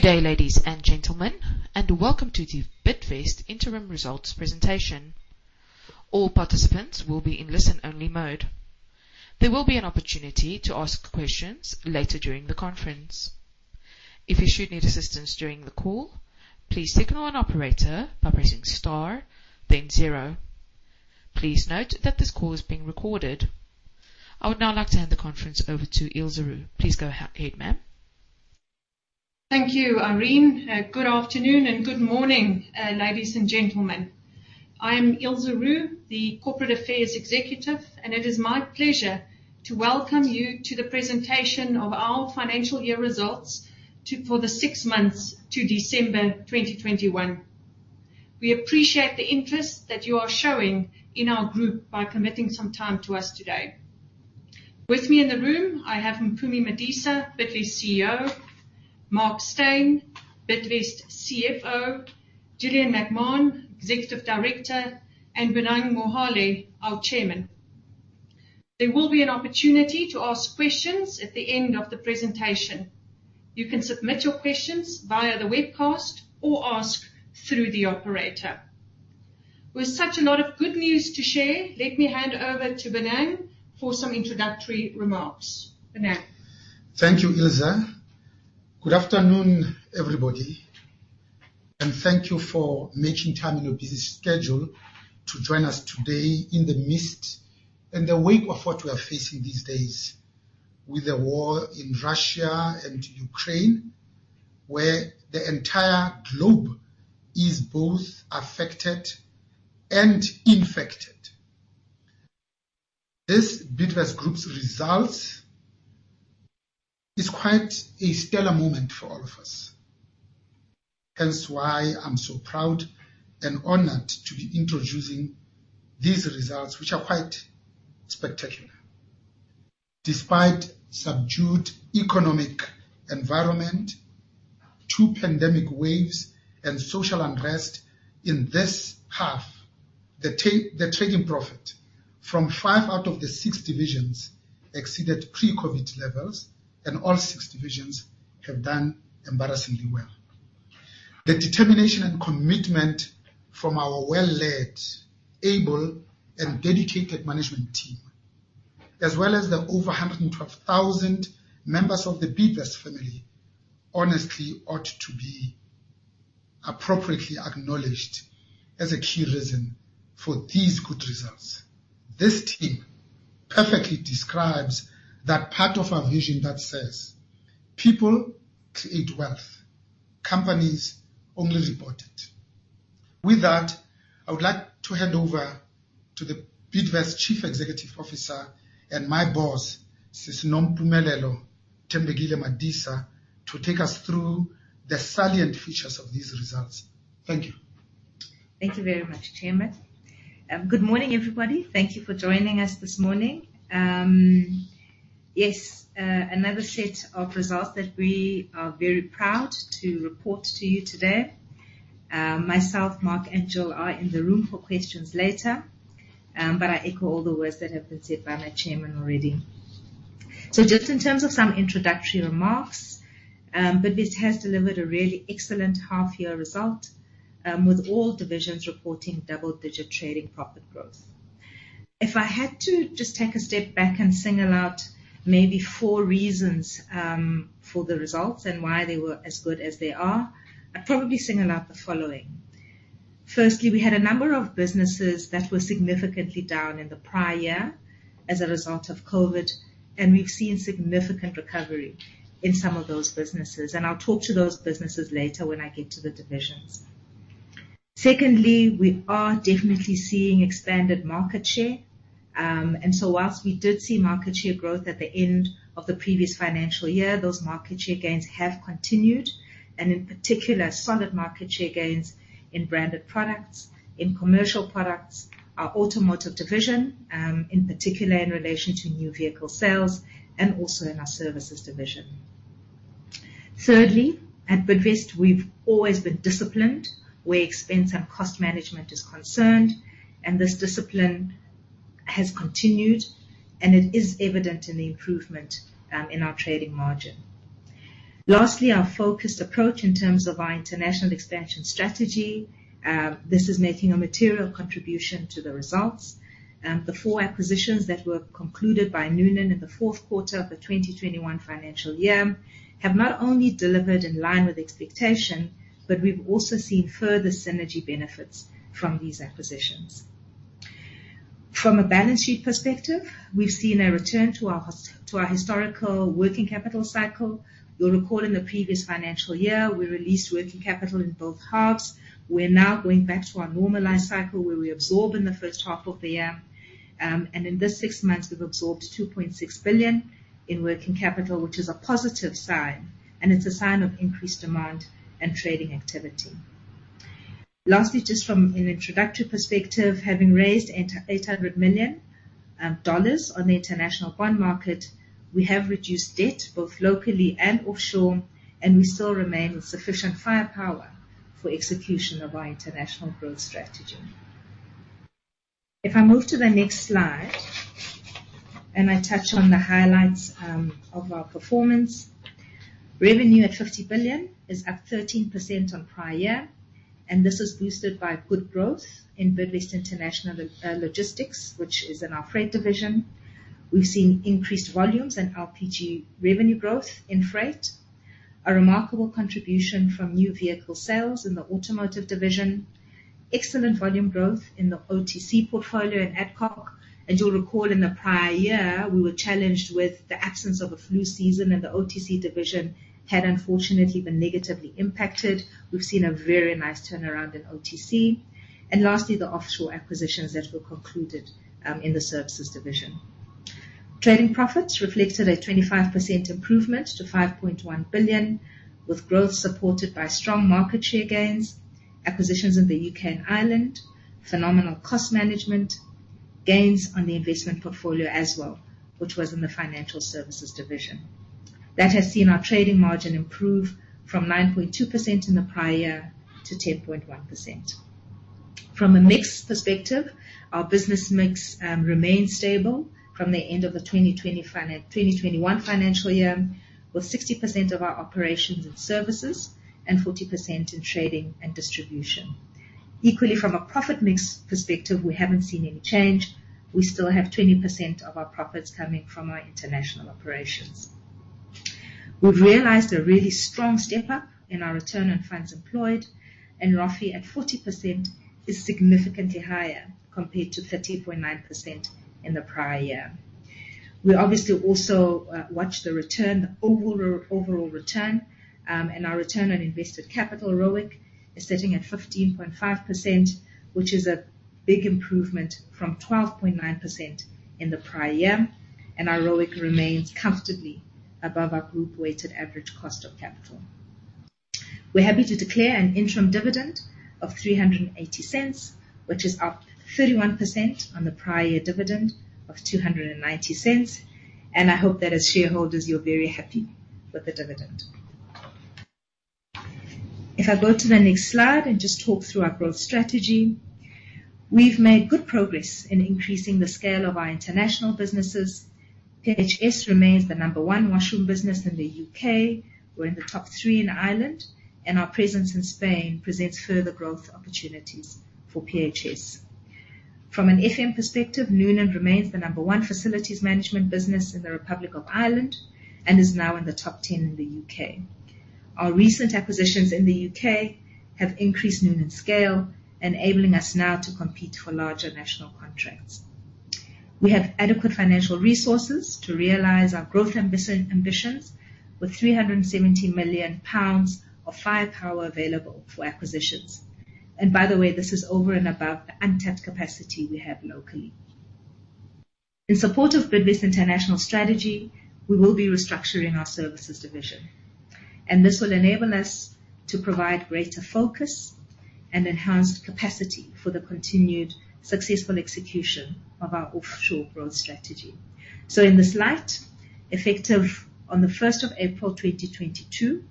Good day, ladies and gentlemen, and welcome to the Bidvest Interim Results presentation. All participants will be in listen-only mode. There will be an opportunity to ask questions later during the conference. If you should need assistance during the call, please signal an operator by pressing star then zero. Please note that this call is being recorded. I would now like to hand the conference over to Ilze Roux. Please go ahead, ma'am. Thank you, Irene. Good afternoon and good morning, ladies and gentlemen. I am Ilze Roux, the corporate affairs executive, and it is my pleasure to welcome you to the presentation of our financial year results for the six months to December 2021. We appreciate the interest that you are showing in our group by committing some time to us today. With me in the room, I have Mpumi Madisa, Bidvest CEO, Mark Steyn, Bidvest CFO, Gillian McMahon, Executive Director, and Bonang Mohale, our Chairman. There will be an opportunity to ask questions at the end of the presentation. You can submit your questions via the webcast or ask through the operator. With such a lot of good news to share, let me hand over to Bonang for some introductory remarks. Bonang. Thank you, Ilze. Good afternoon, everybody, and thank you for making time in your busy schedule to join us today in the midst and the wake of what we are facing these days with the war in Russia and Ukraine, where the entire globe is both affected and infected. This Bidvest Group's results is quite a stellar moment for all of us. Hence why I'm so proud and honored to be introducing these results, which are quite spectacular. Despite subdued economic environment, two pandemic waves, and social unrest in this half, the trading profit from five out of the six divisions exceeded pre-COVID levels, and all six divisions have done embarrassingly well. The determination and commitment from our well-led, able, and dedicated management team, as well as the over 112,000 members of the Bidvest family, honestly ought to be appropriately acknowledged as a key reason for these good results. This team perfectly describes that part of our vision that says, "People create wealth. Companies only report it." With that, I would like to hand over to the Bidvest Chief Executive Officer and my boss, Sis Nompumelelo Thembekile Madisa, to take us through the salient features of these results. Thank you. Thank you very much, Chairman. Good morning, everybody. Thank you for joining us this morning. Yes, another set of results that we are very proud to report to you today. Myself, Mark, and Jill are in the room for questions later. But I echo all the words that have been said by my chairman already. Just in terms of some introductory remarks, Bidvest has delivered a really excellent half-year result, with all divisions reporting double-digit trading profit growth. If I had to just take a step back and single out maybe four reasons for the results and why they were as good as they are, I'd probably single out the following. Firstly, we had a number of businesses that were significantly down in the prior year as a result of COVID, and we've seen significant recovery in some of those businesses. I'll talk to those businesses later when I get to the divisions. Secondly, we are definitely seeing expanded market share. While we did see market share growth at the end of the previous financial year, those market share gains have continued, and in particular, solid market share gains in branded products, in commercial products, our automotive division, in particular in relation to new vehicle sales, and also in our services division. Thirdly, at Bidvest, we've always been disciplined where expense and cost management is concerned, and this discipline has continued, and it is evident in the improvement in our trading margin. Lastly, our focused approach in terms of our international expansion strategy, this is making a material contribution to the results. The four acquisitions that were concluded by Noonan in the fourth quarter of the 2021 financial year have not only delivered in line with expectation, but we've also seen further synergy benefits from these acquisitions. From a balance sheet perspective, we've seen a return to our historical working capital cycle. You'll recall in the previous financial year, we released working capital in both halves. We're now going back to our normalized cycle, where we absorb in the first half of the year. In this six months, we've absorbed 2.6 billion in working capital, which is a positive sign, and it's a sign of increased demand and trading activity. Lastly, just from an introductory perspective, having raised $800 million on the international bond market, we have reduced debt both locally and offshore, and we still remain with sufficient firepower for execution of our international growth strategy. If I move to the next slide and I touch on the highlights of our performance. Revenue at 50 billion is up 13% on prior year, and this is boosted by good growth in Bidvest International Logistics, which is in our freight division. We've seen increased volumes in our LPG revenue growth in freight, a remarkable contribution from new vehicle sales in the automotive division, excellent volume growth in the OTC portfolio in Adcock Ingram. As you'll recall, in the prior year, we were challenged with the absence of a flu season, and the OTC division had unfortunately been negatively impacted. We've seen a very nice turnaround in OTC. Lastly, the offshore acquisitions that were concluded in the services division. Trading profits reflected a 25% improvement to 5.1 billion, with growth supported by strong market share gains, acquisitions in the U.K. and Ireland, phenomenal cost management, gains on the investment portfolio as well, which was in the financial services division. That has seen our trading margin improve from 9.2% in the prior year to 10.1%. From a mix perspective, our business mix remains stable from the end of the 2021 financial year, with 60% of our operations in services and 40% in trading and distribution. Equally, from a profit mix perspective, we haven't seen any change. We still have 20% of our profits coming from our international operations. We've realized a really strong step up in our return on funds employed, and ROFCE at 40% is significantly higher compared to 30.9% in the prior year. We obviously also watch the return, the overall return, and our return on invested capital, ROIC, is sitting at 15.5%, which is a big improvement from 12.9% in the prior year. Our ROIC remains comfortably above our group weighted average cost of capital. We're happy to declare an interim dividend of 3.80, which is up 31% on the prior year dividend of 2.90. I hope that as shareholders, you're very happy with the dividend. If I go to the next slide and just talk through our growth strategy. We've made good progress in increasing the scale of our international businesses. Phs remains the number one washroom business in the U.K. We're in the top three in Ireland, and our presence in Spain presents further growth opportunities for phs. From an FM perspective, Noonan remains the number one facilities management business in the Republic of Ireland and is now in the top 10 in the U.K. Our recent acquisitions in the U.K. have increased Noonan's scale, enabling us now to compete for larger national contracts. We have adequate financial resources to realize our growth ambitions, with 370 million pounds of firepower available for acquisitions. By the way, this is over and above the untapped capacity we have locally. In support of Bidvest International strategy, we will be restructuring our services division, and this will enable us to provide greater focus and enhanced capacity for the continued successful execution of our offshore growth strategy. In this light, effective on the 1st of April 2022,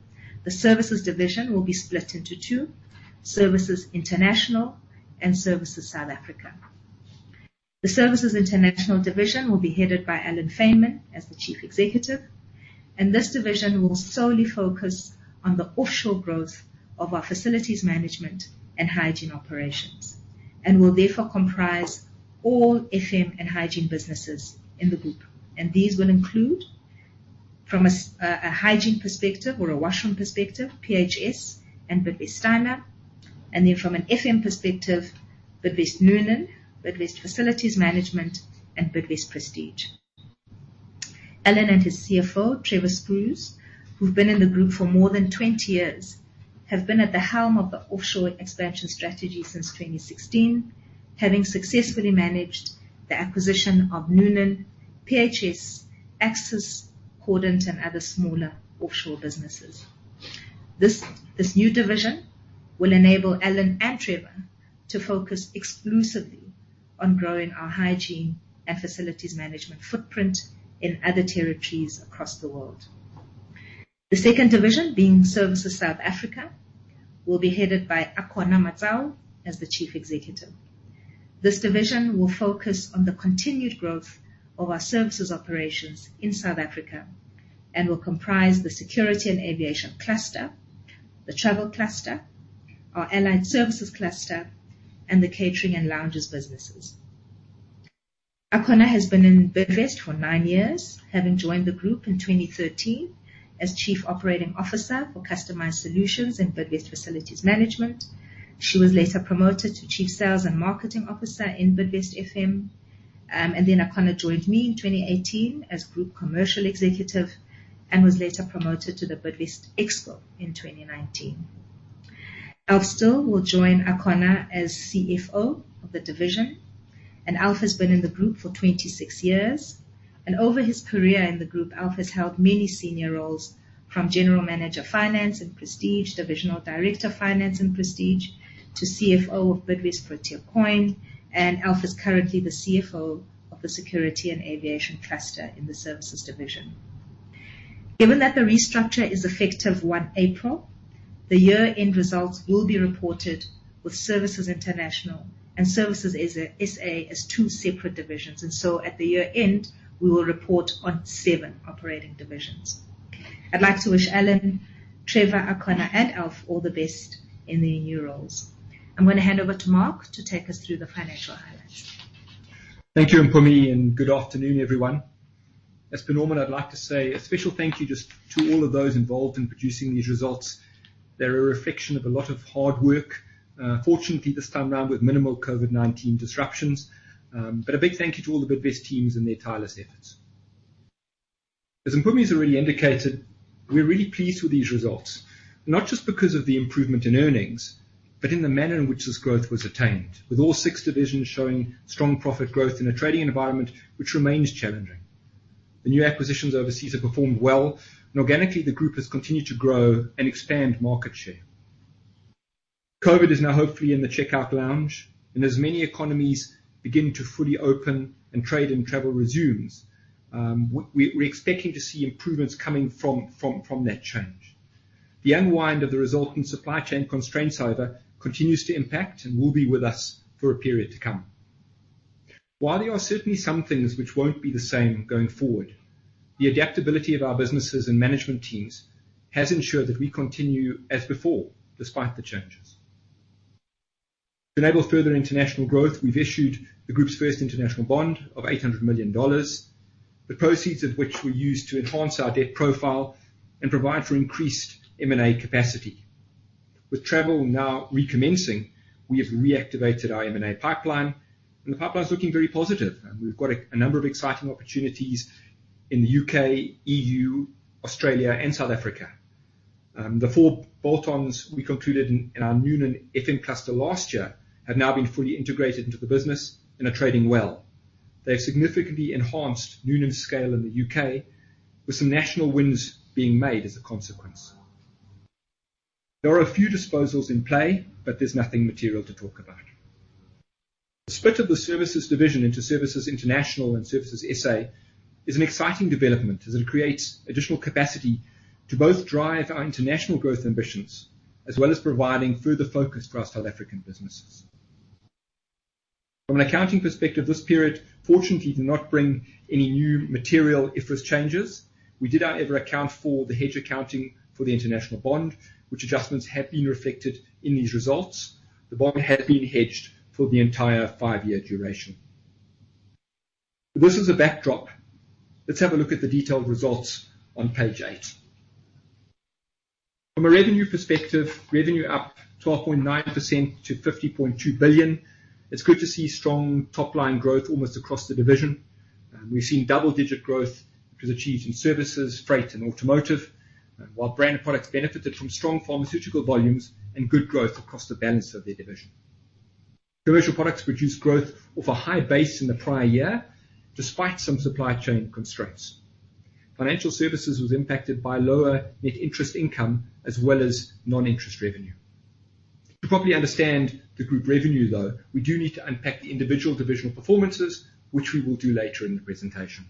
the services division will be split into two, Services International and Services South Africa. The Services International Division will be headed by Alan Fainman as the Chief Executive, and this division will solely focus on the offshore growth of our facilities management and hygiene operations and will therefore comprise all FM and hygiene businesses in the group. These will include, from a hygiene perspective or a washroom perspective, phs and Bidvest Steiner. From an FM perspective, Bidvest Noonan, Bidvest Facilities Management, and Bidvest Prestige. Alan and his CFO, Trevor Scruse, who've been in the group for more than 20 years, have been at the helm of the offshore expansion strategy since 2016, having successfully managed the acquisition of Noonan, PHS, Axis, Cordant, and other smaller offshore businesses. This new division will enable Alan and Trevor to focus exclusively on growing our hygiene and facilities management footprint in other territories across the world. The second division, being Services South Africa, will be headed by Akona Matsau as the Chief Executive. This division will focus on the continued growth of our services operations in South Africa and will comprise the security and aviation cluster, the travel cluster, our allied services cluster, and the catering and lounges businesses. Akona has been in Bidvest for nine years, having joined the group in 2013 as Chief Operating Officer for Customized Solutions and Bidvest Facilities Management. She was later promoted to Chief Sales and Marketing Officer in Bidvest FM, and then Akona joined me in 2018 as Group Commercial Executive and was later promoted to the Bidvest Exco in 2019. Alf Still will join Akona as CFO of the division, and Alf has been in the group for 26 years. Over his career in the group, Alf has held many senior roles from General Manager of Finance in Prestige, Divisional Director of Finance in Prestige to CFO of Bidvest Protea Coin. Alf is currently the CFO of the Security and Aviation Cluster in the services division. Given that the restructure is effective 1 April, the year-end results will be reported with Services International and Services SA as two separate divisions. At the year-end, we will report on seven operating divisions. I'd like to wish Alan, Trevor, Akona, and Alf all the best in their new roles. I'm gonna hand over to Mark to take us through the financial highlights. Thank you, Mpumi, and good afternoon, everyone. As per normal, I'd like to say a special thank you just to all of those involved in producing these results. They're a reflection of a lot of hard work. Fortunately, this time around with minimal COVID-19 disruptions. A big thank you to all the Bidvest teams and their tireless efforts. As Mpumi has already indicated, we're really pleased with these results, not just because of the improvement in earnings, but in the manner in which this growth was attained. With all six divisions showing strong profit growth in a trading environment which remains challenging. The new acquisitions overseas have performed well, and organically, the group has continued to grow and expand market share. COVID is now hopefully in the checkout lounge, and as many economies begin to fully open and trade and travel resumes, we're expecting to see improvements coming from that change. The unwind of the resulting supply chain constraints, however, continues to impact and will be with us for a period to come. While there are certainly some things which won't be the same going forward, the adaptability of our businesses and management teams has ensured that we continue as before, despite the changes. To enable further international growth, we've issued the group's first international bond of $800 million, the proceeds of which we use to enhance our debt profile and provide for increased M&A capacity. With travel now recommencing, we have reactivated our M&A pipeline, and the pipeline's looking very positive. We've got a number of exciting opportunities in the U.K., EU, Australia, and South Africa. The four bolt-ons we concluded in our Noonan FM cluster last year have now been fully integrated into the business and are trading well. They have significantly enhanced Noonan's scale in the U.K., with some national wins being made as a consequence. There are a few disposals in play, but there's nothing material to talk about. The split of the services division into Services International and Services SA is an exciting development as it creates additional capacity to both drive our international growth ambitions, as well as providing further focus to our South African businesses. From an accounting perspective, this period fortunately did not bring any new material IFRS changes. We did, however, account for the hedge accounting for the international bond, which adjustments have been reflected in these results. The bond had been hedged for the entire five-year duration. This is a backdrop. Let's have a look at the detailed results on page eight. From a revenue perspective, revenue up 12.9% to 50.2 billion. It's good to see strong top-line growth almost across the division. We've seen double-digit growth was achieved in Services, Freight, and Automotive. While Branded Products benefited from strong pharmaceutical volumes and good growth across the balance of their division. Commercial Products produced growth off a high base in the prior year, despite some supply chain constraints. Financial Services was impacted by lower net interest income as well as non-interest revenue. To properly understand the Group revenue, though, we do need to unpack the individual divisional performances, which we will do later in the presentation.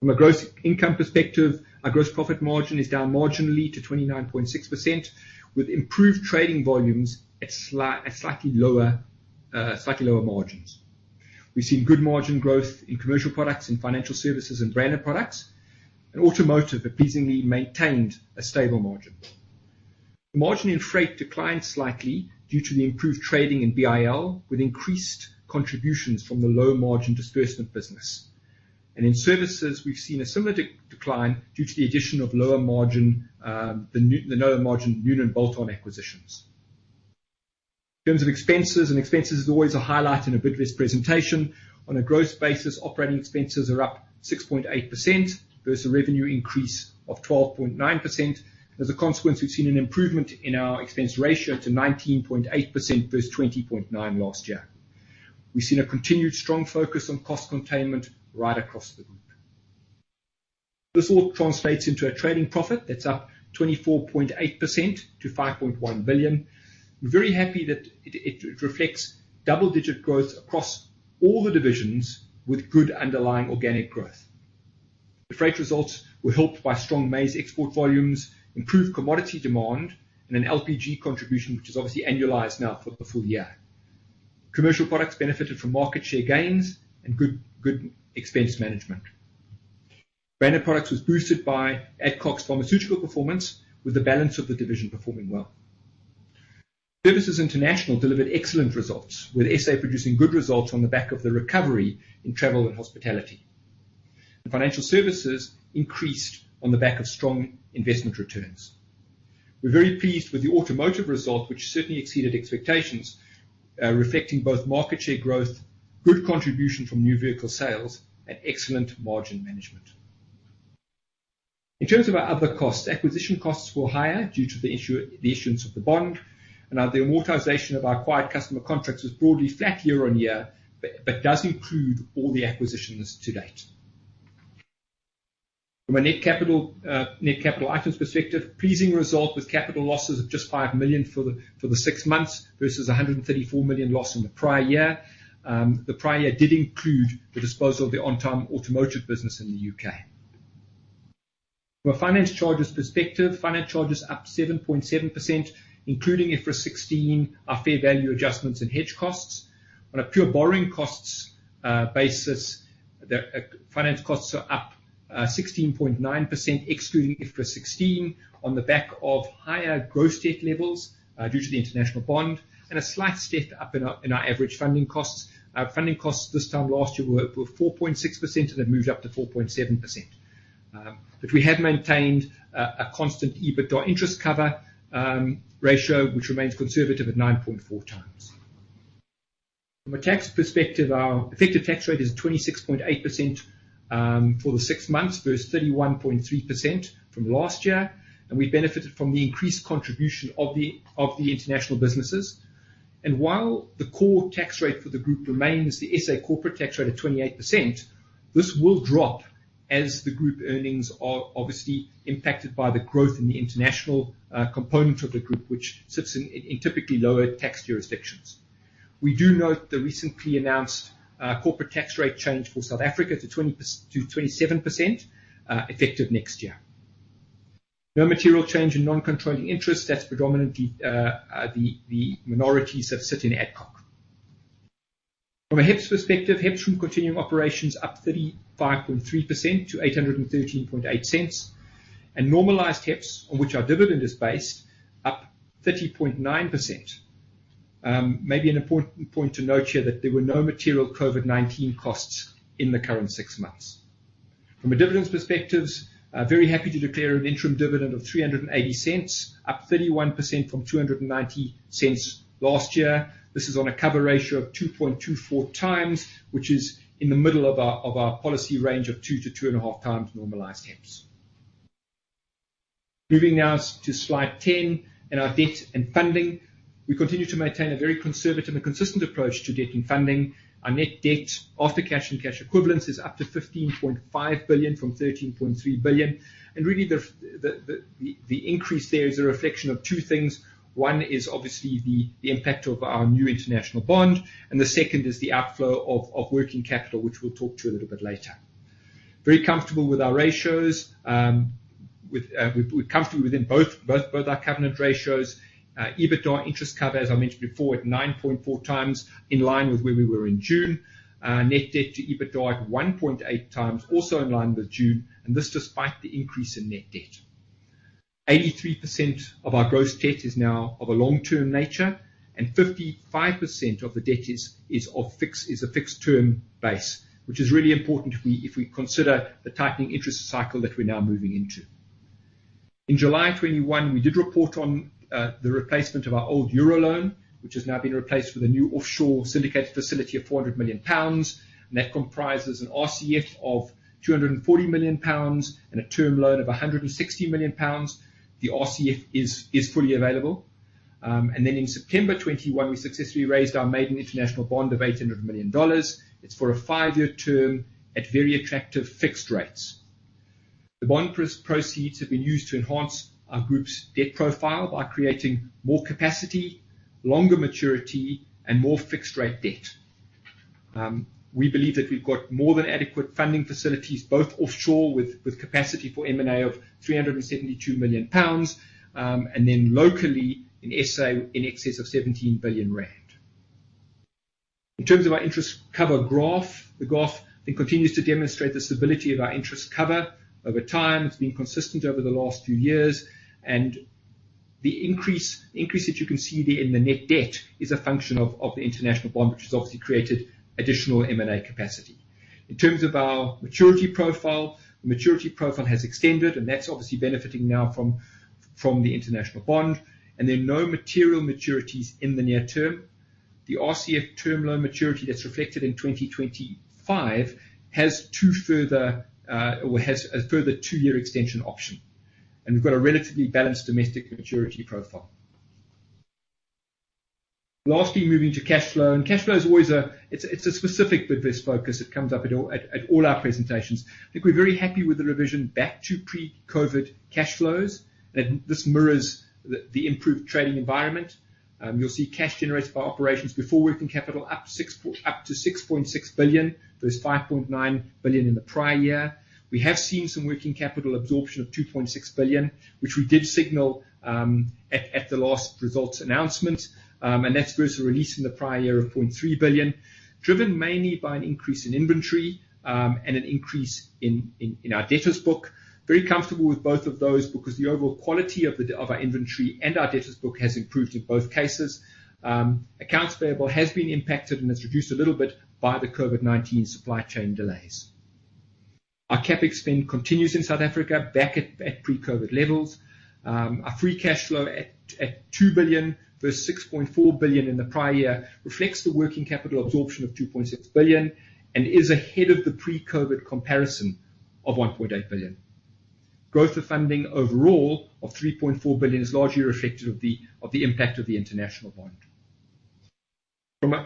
From a gross income perspective, our gross profit margin is down marginally to 29.6%, with improved trading volumes at slightly lower margins. We've seen good margin growth in Commercial Products and Financial Services and Branded Products, and Automotive pleasingly maintained a stable margin. The margin in freight declined slightly due to the improved trading in BIL, with increased contributions from the low-margin disbursement business. In services, we've seen a similar decline due to the addition of lower margin Noonan bolt-on acquisitions. In terms of expenses is always a highlight in a Bidvest presentation. On a gross basis, operating expenses are up 6.8% versus a revenue increase of 12.9%. As a consequence, we've seen an improvement in our expense ratio to 19.8% versus 20.9% last year. We've seen a continued strong focus on cost containment right across the group. This all translates into a trading profit that's up 24.8% to 5.1 billion. We're very happy that it reflects double-digit growth across all the divisions with good underlying organic growth. The freight results were helped by strong maize export volumes, improved commodity demand, and an LPG contribution, which is obviously annualized now for the full year. Commercial Products benefited from market share gains and good expense management. Branded Products was boosted by Adcock's pharmaceutical performance with the balance of the division performing well. Services International delivered excellent results, with SA producing good results on the back of the recovery in travel and hospitality. Financial Services increased on the back of strong investment returns. We're very pleased with the Automotive result, which certainly exceeded expectations, reflecting both market share growth, good contribution from new vehicle sales, and excellent margin management. In terms of our other costs, acquisition costs were higher due to the issuance of the bond, and the amortization of our acquired customer contracts was broadly flat year-on-year, but does include all the acquisitions to date. From a net capital items perspective, pleasing result with capital losses of just 5 million for the six months versus a 134 million loss in the prior year. The prior year did include the disposal of the Ontime Automotive business in the U.K. From a finance charges perspective, finance charges up 7.7%, including IFRS 16, our fair value adjustments and hedge costs. On a pure borrowing costs basis, the finance costs are up 16.9% excluding IFRS 16 on the back of higher gross debt levels due to the international bond and a slight step up in our average funding costs. Our funding costs this time last year were 4.6%, and they've moved up to 4.7%. We have maintained a constant EBITDA interest cover ratio, which remains conservative at 9.4 times. From a tax perspective, our effective tax rate is 26.8% for the six months versus 31.3% from last year, and we benefited from the increased contribution of the international businesses. While the core tax rate for the group remains the SA corporate tax rate of 28%, this will drop as the group earnings are obviously impacted by the growth in the international component of the group, which sits in typically lower tax jurisdictions. We do note the recently announced corporate tax rate change for South Africa to 27%, effective next year. No material change in non-controlling interest. That's predominantly the minorities that sit in Adcock. From a HEPS perspective, HEPS will continuing operations up 35.3% to 813.8 cents. Normalized HEPS, on which our dividend is based, up 30.9%. Maybe an important point to note here that there were no material COVID-19 costs in the current six months. From a dividends perspective, very happy to declare an interim dividend of 3.80, up 31% from 2.90 last year. This is on a cover ratio of 2.24 times, which is in the middle of our policy range of two-2.5 times normalized HEPS. Moving now to slide 10 and our debt and funding. We continue to maintain a very conservative and consistent approach to debt and funding. Our net debt after cash and cash equivalents is up to 15.5 billion from 13.3 billion. Really the increase there is a reflection of two things. One is obviously the impact of our new international bond, and the second is the outflow of working capital, which we'll talk to a little bit later. Very comfortable with our ratios. We're comfortable within both our covenant ratios. EBITDA interest cover, as I mentioned before, at 9.4 times, in line with where we were in June. Net debt to EBITDA at 1.8 times, also in line with June, and this despite the increase in net debt. 83% of our gross debt is now of a long-term nature, and 55% of the debt is a fixed term base, which is really important if we consider the tightening interest cycle that we're now moving into. In July 2021, we did report on the replacement of our old euro loan, which has now been replaced with a new offshore syndicated facility of 400 million pounds. That comprises an RCF of 240 million pounds and a term loan of 160 million pounds. The RCF is fully available. In September 2021, we successfully raised our maiden international bond of $800 million. It's for a five-year term at very attractive fixed rates. The bond proceeds have been used to enhance our group's debt profile by creating more capacity, longer maturity, and more fixed-rate debt. We believe that we've got more than adequate funding facilities, both offshore with capacity for M&A of 372 million pounds, and then locally in SA in excess of 17 billion rand. In terms of our interest cover graph, the graph then continues to demonstrate the stability of our interest cover over time. It's been consistent over the last few years, and the increase that you can see there in the net debt is a function of the international bond, which has obviously created additional M&A capacity. In terms of our maturity profile, the maturity profile has extended, and that's obviously benefiting now from the international bond. There are no material maturities in the near term. The RCF term loan maturity that's reflected in 2025 has a further two-year extension option. We've got a relatively balanced domestic maturity profile. Lastly, moving to cash flow. Cash flow is always a specific with this focus. It comes up at all our presentations. I think we're very happy with the revision back to pre-COVID cash flows, and this mirrors the improved trading environment. You'll see cash generated by operations before working capital up to 6.6 billion versus 5.9 billion in the prior year. We have seen some working capital absorption of 2.6 billion, which we did signal at the last results announcement. And that's versus a release in the prior year of 0.3 billion, driven mainly by an increase in inventory and an increase in our debtors book. Very comfortable with both of those because the overall quality of our inventory and our debtors book has improved in both cases. Accounts payable has been impacted and is reduced a little bit by the COVID-19 supply chain delays. Our CapEx spend continues in South Africa back at pre-COVID levels. Our free cash flow at 2 billion versus 6.4 billion in the prior year reflects the working capital absorption of 2.6 billion and is ahead of the pre-COVID comparison of 1.8 billion. Growth of funding overall of 3.4 billion is largely reflective of the impact of the international bond.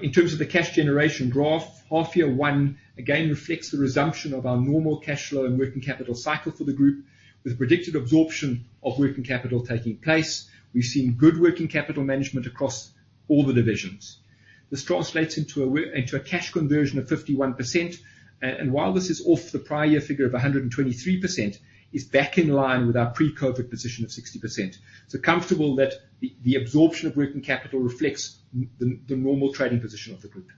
In terms of the cash generation graph, half year one again reflects the resumption of our normal cash flow and working capital cycle for the group with predicted absorption of working capital taking place. We've seen good working capital management across all the divisions. This translates into a cash conversion of 51%. While this is off the prior year figure of 123%, is back in line with our pre-COVID position of 60%. Comfortable that the absorption of working capital reflects the normal trading position of the group.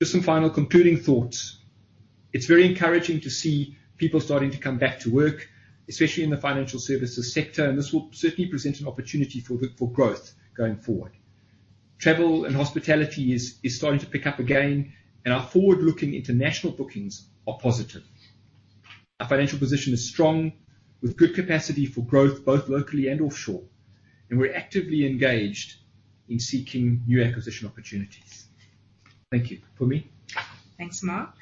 Just some final concluding thoughts. It's very encouraging to see people starting to come back to work, especially in the financial services sector, and this will certainly present an opportunity for growth going forward. Travel and hospitality is starting to pick up again, and our forward-looking international bookings are positive. Our financial position is strong, with good capacity for growth both locally and offshore, and we're actively engaged in seeking new acquisition opportunities. Thank you. Mpumi? Thanks, Mark.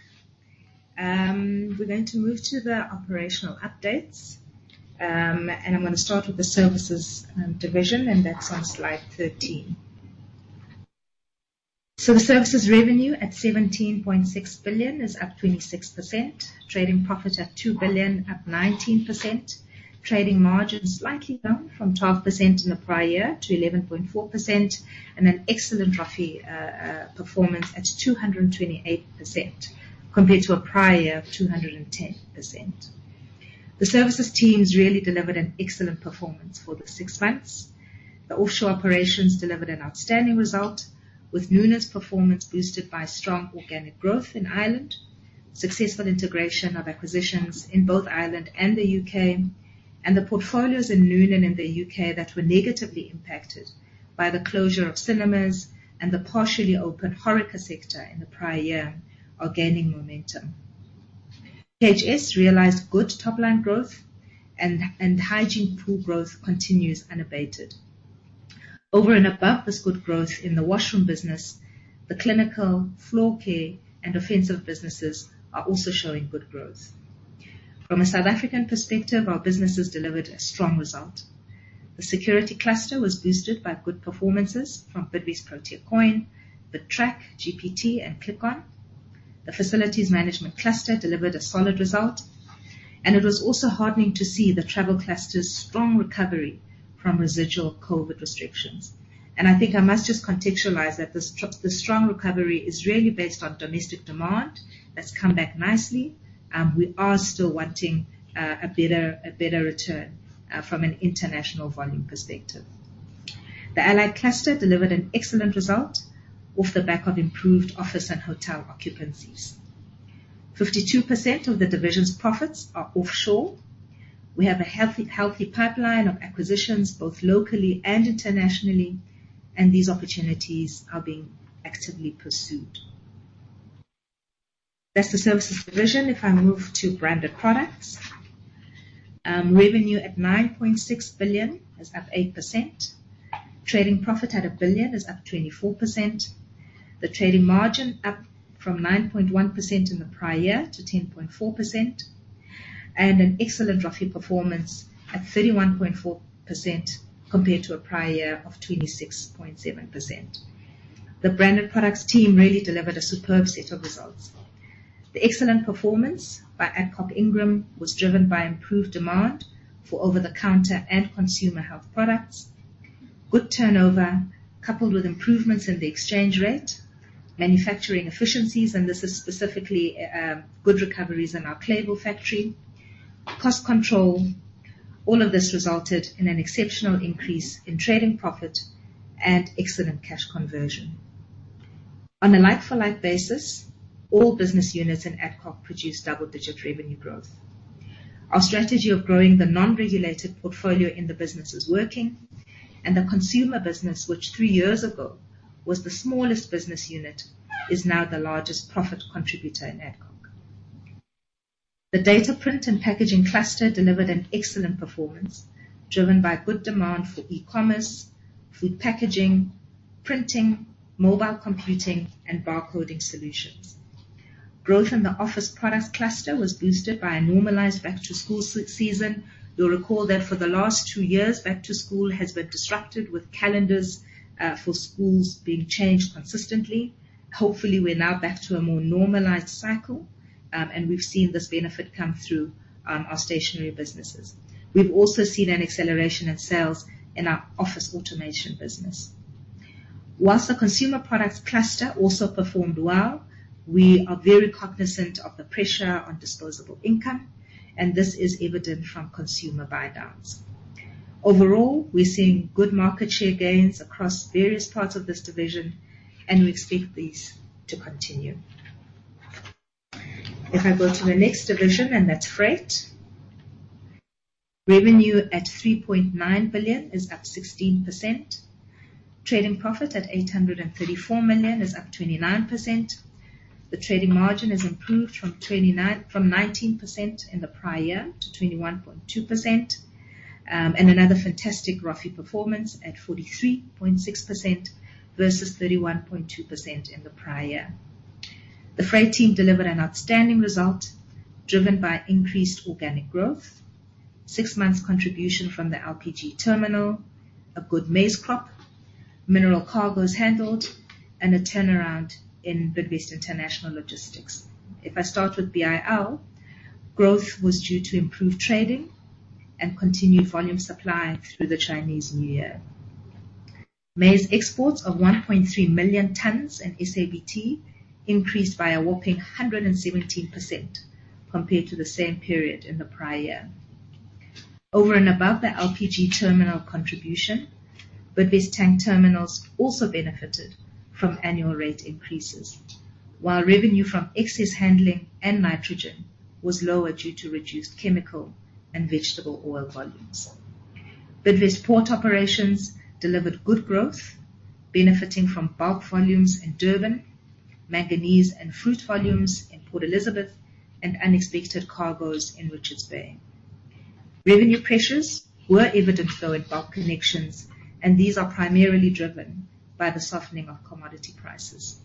We're going to move to the operational updates, and I'm gonna start with the services division, and that's on slide 13. The services revenue at 17.6 billion is up 26%. Trading profit at 2 billion, up 19%. Trading margin slightly down from 12% in the prior year to 11.4%, and an excellent ROFE performance at 228% compared to a prior year of 210%. The services teams really delivered an excellent performance for the six months. The offshore operations delivered an outstanding result, with Noonan's performance boosted by strong organic growth in Ireland, successful integration of acquisitions in both Ireland and the U.K., and the portfolios in Noonan and the U.K. that were negatively impacted by the closure of cinemas and the partially open HORECA sector in the prior year are gaining momentum. PHS realized good top-line growth and hygiene product growth continues unabated. Over and above this good growth in the washroom business, the clinical, floor care, and on-site businesses are also showing good growth. From a South African perspective, our businesses delivered a strong result. The security cluster was boosted by good performances from Bidvest Protea Coin, Bidtrack, GPT, and Click On. The facilities management cluster delivered a solid result, and it was also heartening to see the travel cluster's strong recovery from residual COVID restrictions. I think I must just contextualize that the strong recovery is really based on domestic demand that's come back nicely. We are still wanting a better return from an international volume perspective. The allied cluster delivered an excellent result off the back of improved office and hotel occupancies. 52% of the division's profits are offshore. We have a healthy pipeline of acquisitions both locally and internationally, and these opportunities are being actively pursued. That's the services division. If I move to branded products. Revenue at 9.6 billion is up 8%. Trading profit at 1 billion is up 24%. The trading margin up from 9.1% in the prior year to 10.4%, and an excellent ROFE performance at 31.4% compared to a prior year of 26.7%. The branded products team really delivered a superb set of results. The excellent performance by Adcock Ingram was driven by improved demand for over-the-counter and consumer health products, good turnover, coupled with improvements in the exchange rate, manufacturing efficiencies, and this is specifically good recoveries in our Clayville factory, cost control. All of this resulted in an exceptional increase in trading profit and excellent cash conversion. On a like-for-like basis, all business units in Adcock produced double-digit revenue growth. Our strategy of growing the non-regulated portfolio in the business is working, and the consumer business, which three years ago was the smallest business unit, is now the largest profit contributor in Adcock. The data print and packaging cluster delivered an excellent performance driven by good demand for e-commerce, food packaging, printing, mobile computing, and barcoding solutions. Growth in the office product cluster was boosted by a normalized back-to-school season. You'll recall that for the last two years, back to school has been disrupted, with calendars for schools being changed consistently. Hopefully, we're now back to a more normalized cycle, and we've seen this benefit come through our stationery businesses. We've also seen an acceleration in sales in our office automation business. While the consumer products cluster also performed well, we are very cognizant of the pressure on disposable income, and this is evident from consumer buy-downs. Overall, we're seeing good market share gains across various parts of this division, and we expect these to continue. If I go to the next division, that's freight. Revenue at 3.9 billion is up 16%. Trading profit at 834 million is up 29%. The trading margin has improved from 19% in the prior year to 21.2%. Another fantastic ROFE performance at 43.6% versus 31.2% in the prior year. The freight team delivered an outstanding result driven by increased organic growth, six months contribution from the LPG terminal, a good maize crop, mineral cargos handled, and a turnaround in Bidvest International Logistics. If I start with BIL, growth was due to improved trading and continued volume supply through the Chinese New Year. Maize exports of 1.3 million tons in SABT increased by a whopping 117% compared to the same period in the prior year. Over and above the LPG terminal contribution, Bidvest Tank Terminals also benefited from annual rate increases, while revenue from excess handling and nitrogen was lower due to reduced chemical and vegetable oil volumes. Bidvest port operations delivered good growth benefiting from bulk volumes in Durban, manganese and fruit volumes in Port Elizabeth and unexpected cargoes in Richards Bay. Revenue pressures were evident though in Bulk Connections, and these are primarily driven by the softening of commodity prices.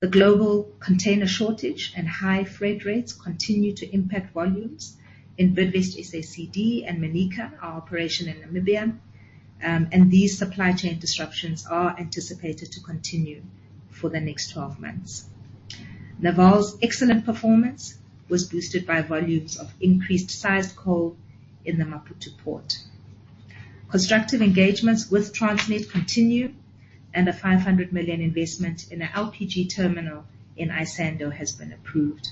The global container shortage and high freight rates continue to impact volumes in Bidvest SACD and Manica, our operation in Namibia. These supply chain disruptions are anticipated to continue for the next 12 months. Naval's excellent performance was boosted by volumes of increased-size coal in the Maputo port. Constructive engagements with Transnet continue and a 500 million investment in a LPG terminal in Isando has been approved.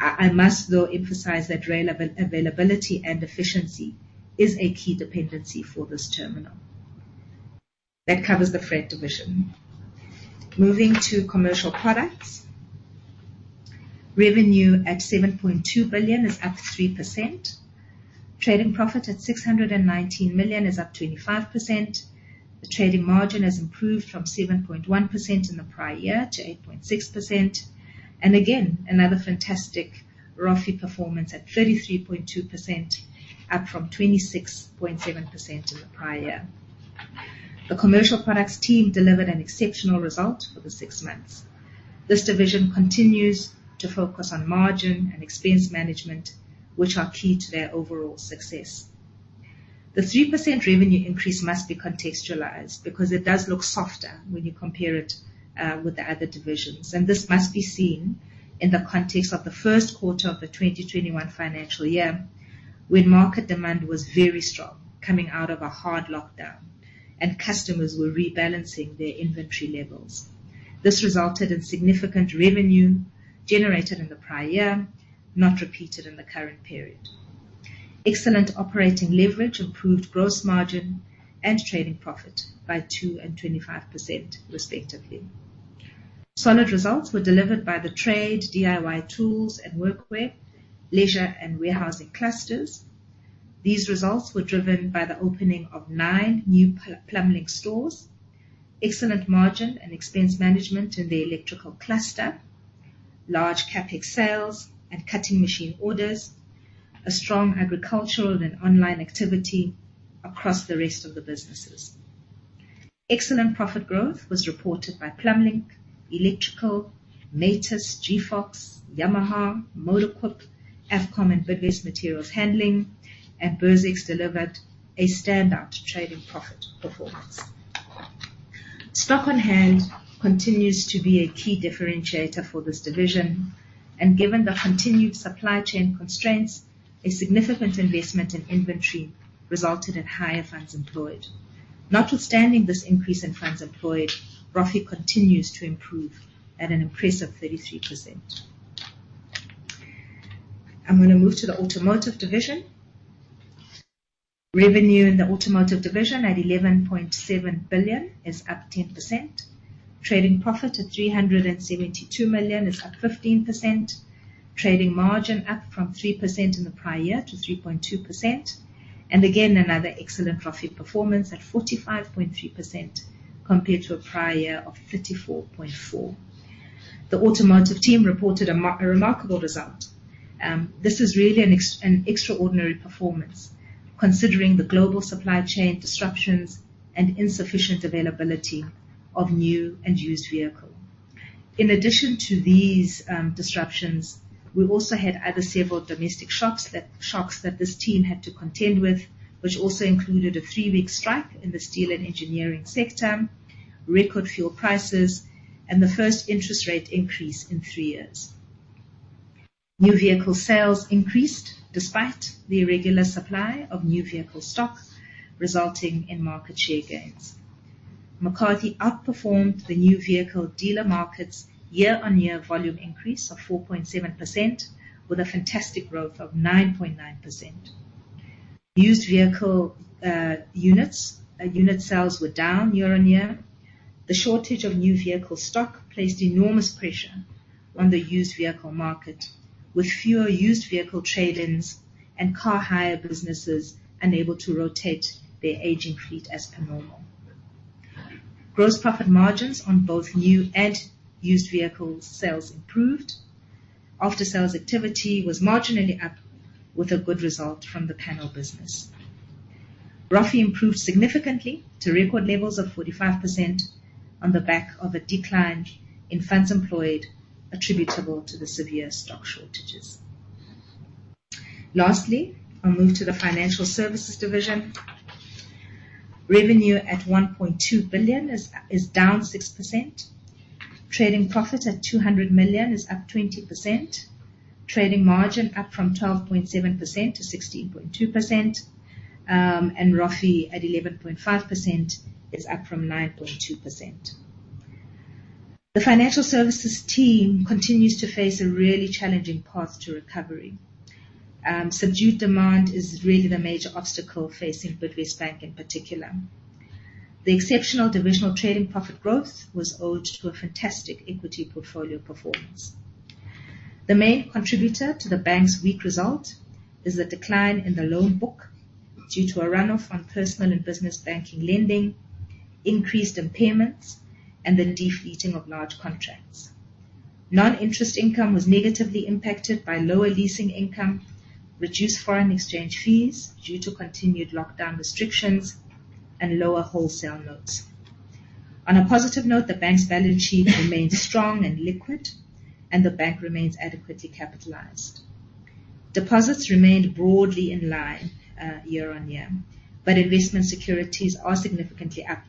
I must though emphasize that rail availability and efficiency is a key dependency for this terminal. That covers the freight division. Moving to Commercial Products. Revenue at 7.2 billion is up 3%. Trading profit at 619 million is up 25%. The trading margin has improved from 7.1% in the prior year to 8.6%. Again, another fantastic ROFE performance at 33.2%, up from 26.7% in the prior year. The Commercial Products team delivered an exceptional result for the six months. This division continues to focus on margin and expense management, which are key to their overall success. The 3% revenue increase must be contextualized because it does look softer when you compare it with the other divisions. This must be seen in the context of the first quarter of the 2021 financial year, when market demand was very strong coming out of a hard lockdown and customers were rebalancing their inventory levels. This resulted in significant revenue generated in the prior year, not repeated in the current period. Excellent operating leverage improved gross margin and trading profit by 2% and 25% respectively. Solid results were delivered by the trade DIY tools and Workwear, leisure and warehousing clusters. These results were driven by the opening of nine new Plumblink stores, excellent margin and expense management in the electrical cluster, large CapEx sales and cutting machine orders, a strong agricultural and online activity across the rest of the businesses. Excellent profit growth was reported by Plumblink, Electrical, Matus, G. Fox, Yamaha, MotoQuip, Afcom and Bidvest Materials Handling and Bursix delivered a standout trading profit performance. Stock on hand continues to be a key differentiator for this division, and given the continued supply chain constraints, a significant investment in inventory resulted in higher funds employed. Notwithstanding this increase in funds employed, ROFE continues to improve at an impressive 33%. I'm gonna move to the automotive division. Revenue in the automotive division at 11.7 billion is up 10%. Trading profit at 372 million is up 15%. Trading margin up from 3% in the prior year to 3.2%. Again another excellent ROFE performance at 45.3% compared to a prior year of 34.4%. The Automotive team reported a remarkable result. This is really an extraordinary performance considering the global supply chain disruptions and insufficient availability of new and used vehicle. In addition to these disruptions, we also had several other domestic shocks that this team had to contend with, which also included a three week strike in the steel and engineering sector, record fuel prices and the first interest rate increase in three years. New vehicle sales increased despite the irregular supply of new vehicle stock, resulting in market share gains. McCarthy outperformed the new vehicle dealer markets year-over-year volume increase of 4.7% with a fantastic growth of 9.9%. Used vehicle unit sales were down year-on-year. The shortage of new vehicle stock placed enormous pressure on the used vehicle market, with fewer used vehicle trade-ins and car hire businesses unable to rotate their aging fleet as per normal. Gross profit margins on both new and used vehicle sales improved. After-sales activity was marginally up with a good result from the panel business. ROFE improved significantly to record levels of 45% on the back of a decline in funds employed attributable to the severe stock shortages. Lastly, I'll move to the financial services division. Revenue at 1.2 billion is down 6%. Trading profit at 200 million is up 20%. Trading margin up from 12.7% to 16.2%, and ROFE at 11.5% is up from 9.2%. The financial services team continues to face a really challenging path to recovery. Subdued demand is really the major obstacle facing Bidvest Bank in particular. The exceptional divisional trading profit growth was owed to a fantastic equity portfolio performance. The main contributor to the bank's weak result is the decline in the loan book due to a run-off on personal and business banking lending, increased impairments, and the defeasing of large contracts. Non-interest income was negatively impacted by lower leasing income, reduced foreign exchange fees due to continued lockdown restrictions, and lower wholesale notes. On a positive note, the bank's balance sheet remains strong and liquid, and the bank remains adequately capitalized. Deposits remained broadly in line year-on-year, but investment securities are significantly up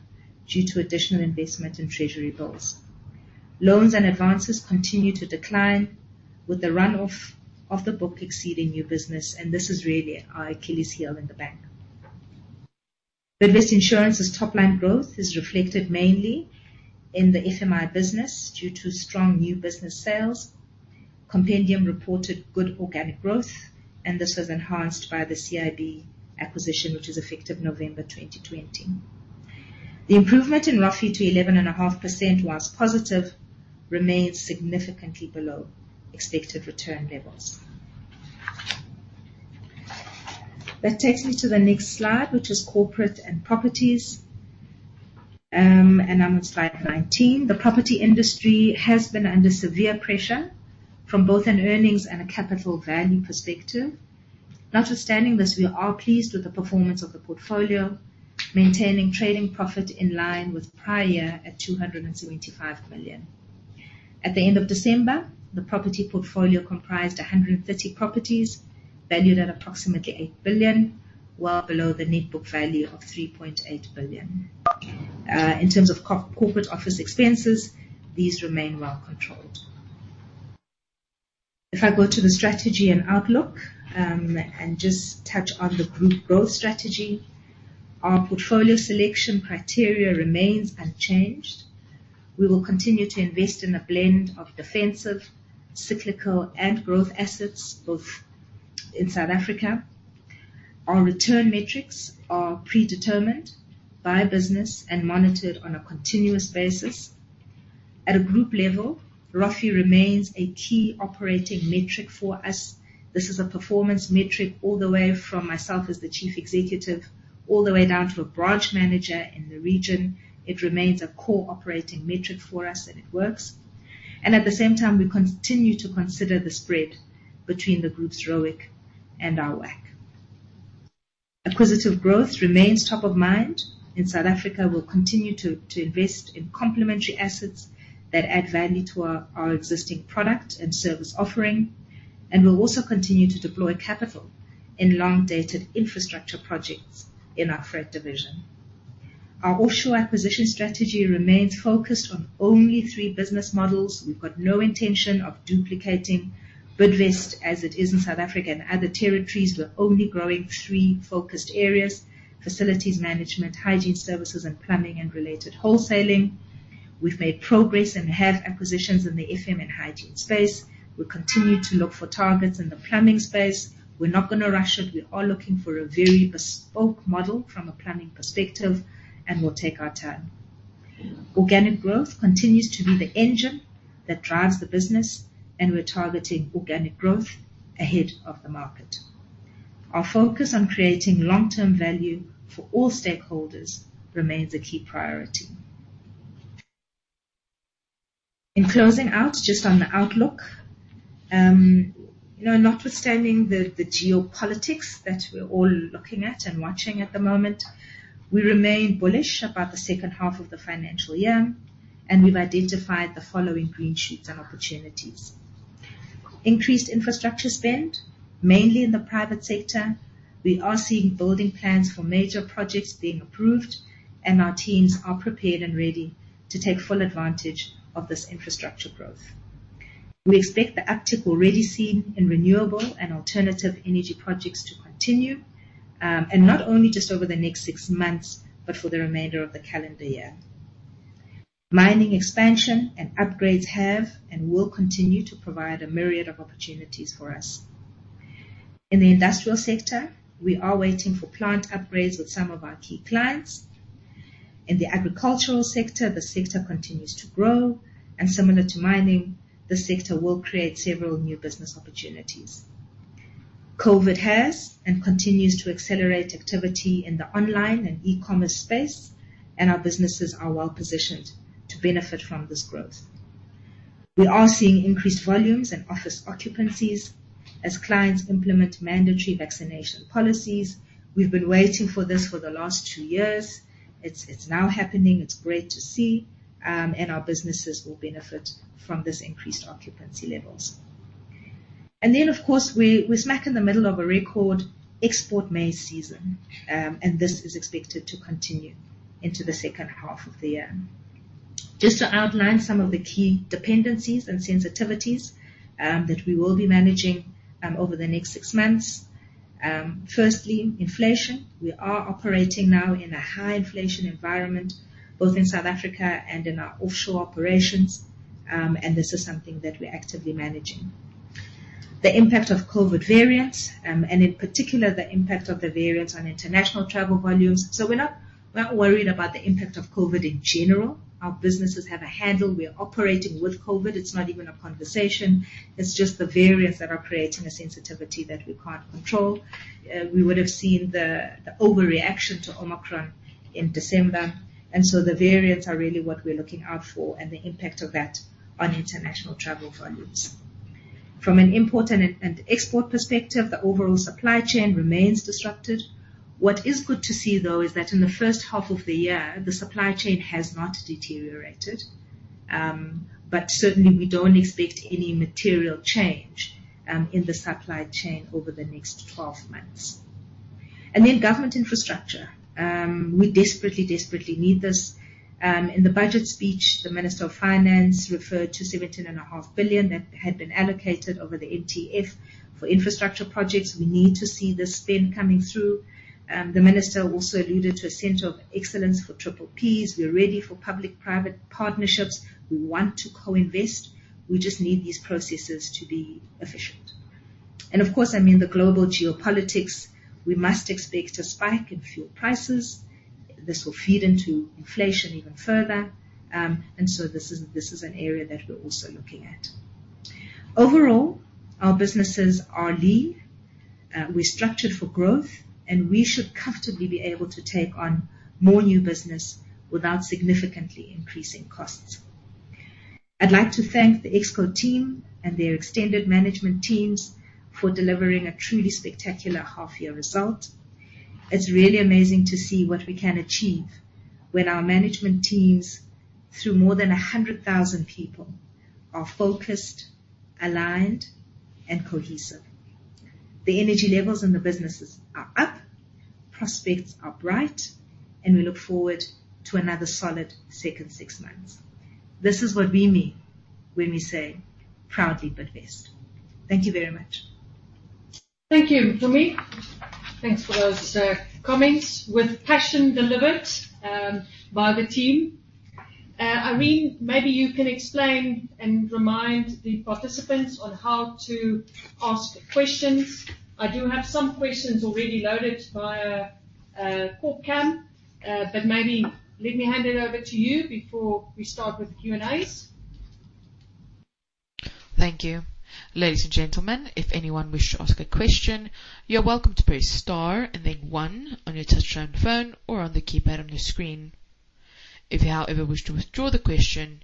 due to additional investment in treasury bills. Loans and advances continue to decline, with the run-off of the book exceeding new business, and this is really our Achilles heel in the bank. Bidvest Insurance's top-line growth is reflected mainly in the FMI business due to strong new business sales. Compendium reported good organic growth, and this was enhanced by the CIB acquisition, which was effective November 2020. The improvement in ROFE to 11.5%, while positive, remains significantly below expected return levels. That takes me to the next slide, which is corporate and properties, and I'm on slide 19. The property industry has been under severe pressure from both an earnings and a capital value perspective. Notwithstanding this, we are pleased with the performance of the portfolio, maintaining trading profit in line with prior at 275 million. At the end of December, the property portfolio comprised 130 properties valued at approximately 8 billion, well below the net book value of 3.8 billion. In terms of corporate office expenses, these remain well controlled. If I go to the strategy and outlook, and just touch on the group growth strategy. Our portfolio selection criteria remains unchanged. We will continue to invest in a blend of defensive, cyclical, and growth assets, both in South Africa. Our return metrics are predetermined by business and monitored on a continuous basis. At a group level, ROFE remains a key operating metric for us. This is a performance metric all the way from myself as the Chief Executive, all the way down to a branch manager in the region. It remains a core operating metric for us, and it works. At the same time, we continue to consider the spread between the group's ROIC and our WACC. Acquisitive growth remains top of mind. In South Africa, we'll continue to invest in complementary assets that add value to our existing product and service offering, and we'll also continue to deploy capital in long-dated infrastructure projects in our freight division. Our offshore acquisition strategy remains focused on only three business models. We've got no intention of duplicating Bidvest as it is in South Africa and other territories. We're only growing three focused areas: facilities management, hygiene services, and plumbing and related wholesaling. We've made progress and have acquisitions in the FM and hygiene space. We'll continue to look for targets in the plumbing space. We're not gonna rush it. We are looking for a very bespoke model from a planning perspective, and we'll take our time. Organic growth continues to be the engine that drives the business, and we're targeting organic growth ahead of the market. Our focus on creating long-term value for all stakeholders remains a key priority. In closing out, just on the outlook, you know, notwithstanding the geopolitics that we're all looking at and watching at the moment, we remain bullish about the second half of the financial year, and we've identified the following green shoots and opportunities. Increased infrastructure spend, mainly in the private sector. We are seeing building plans for major projects being approved, and our teams are prepared and ready to take full advantage of this infrastructure growth. We expect the uptick already seen in renewable and alternative energy projects to continue, and not only just over the next six months, but for the remainder of the calendar year. Mining expansion and upgrades have and will continue to provide a myriad of opportunities for us. In the industrial sector, we are waiting for plant upgrades with some of our key clients. In the agricultural sector, the sector continues to grow, and similar to mining, this sector will create several new business opportunities. COVID has and continues to accelerate activity in the online and e-commerce space, and our businesses are well positioned to benefit from this growth. We are seeing increased volumes and office occupancies as clients implement mandatory vaccination policies. We've been waiting for this for the last two years. It's now happening, it's great to see, and our businesses will benefit from this increased occupancy levels. Then, of course, we're smack in the middle of a record export maize season, and this is expected to continue into the second half of the year. Just to outline some of the key dependencies and sensitivities that we will be managing over the next six months. Firstly, inflation. We are operating now in a high inflation environment, both in South Africa and in our offshore operations, and this is something that we're actively managing. The impact of COVID variants, and in particular, the impact of the variants on international travel volumes. So we're not worried about the impact of COVID in general. Our businesses have a handle. We are operating with COVID. It's not even a conversation. It's just the variants that are creating a sensitivity that we can't control. We would have seen the overreaction to Omicron in December, and so the variants are really what we're looking out for and the impact of that on international travel volumes. From an import and export perspective, the overall supply chain remains disrupted. What is good to see though is that in the first half of the year, the supply chain has not deteriorated. But certainly we don't expect any material change in the supply chain over the next 12 months. Government infrastructure. We desperately need this. In the budget speech, the Minister of Finance referred to 17.5 billion that had been allocated over the MTEF for infrastructure projects. We need to see this spend coming through. The minister also alluded to a center of excellence for triple Ps. We're ready for public-private partnerships. We want to co-invest. We just need these processes to be efficient. Of course, I mean, the global geopolitics, we must expect a spike in fuel prices. This will feed into inflation even further. This is an area that we're also looking at. Overall, our businesses are lean. We're structured for growth, and we should comfortably be able to take on more new business without significantly increasing costs. I'd like to thank the Exco team and their extended management teams for delivering a truly spectacular half-year result. It's really amazing to see what we can achieve when our management teams, through more than 100,000 people, are focused, aligned, and cohesive. The energy levels in the businesses are up, prospects are bright, and we look forward to another solid second six months. This is what we mean when we say proudly Bidvest. Thank you very much. Thank you, Mpumi. Thanks for those comments with passion delivered by the team. Irene, maybe you can explain and remind the participants on how to ask questions. I do have some questions already loaded via Chorus Call. Maybe let me hand it over to you before we start with the Q&As. Thank you. Ladies and gentlemen, if anyone wishes to ask a question, you're welcome to press star and then one on your touchtone phone or on the keypad on your screen. If you, however, wish to withdraw the question,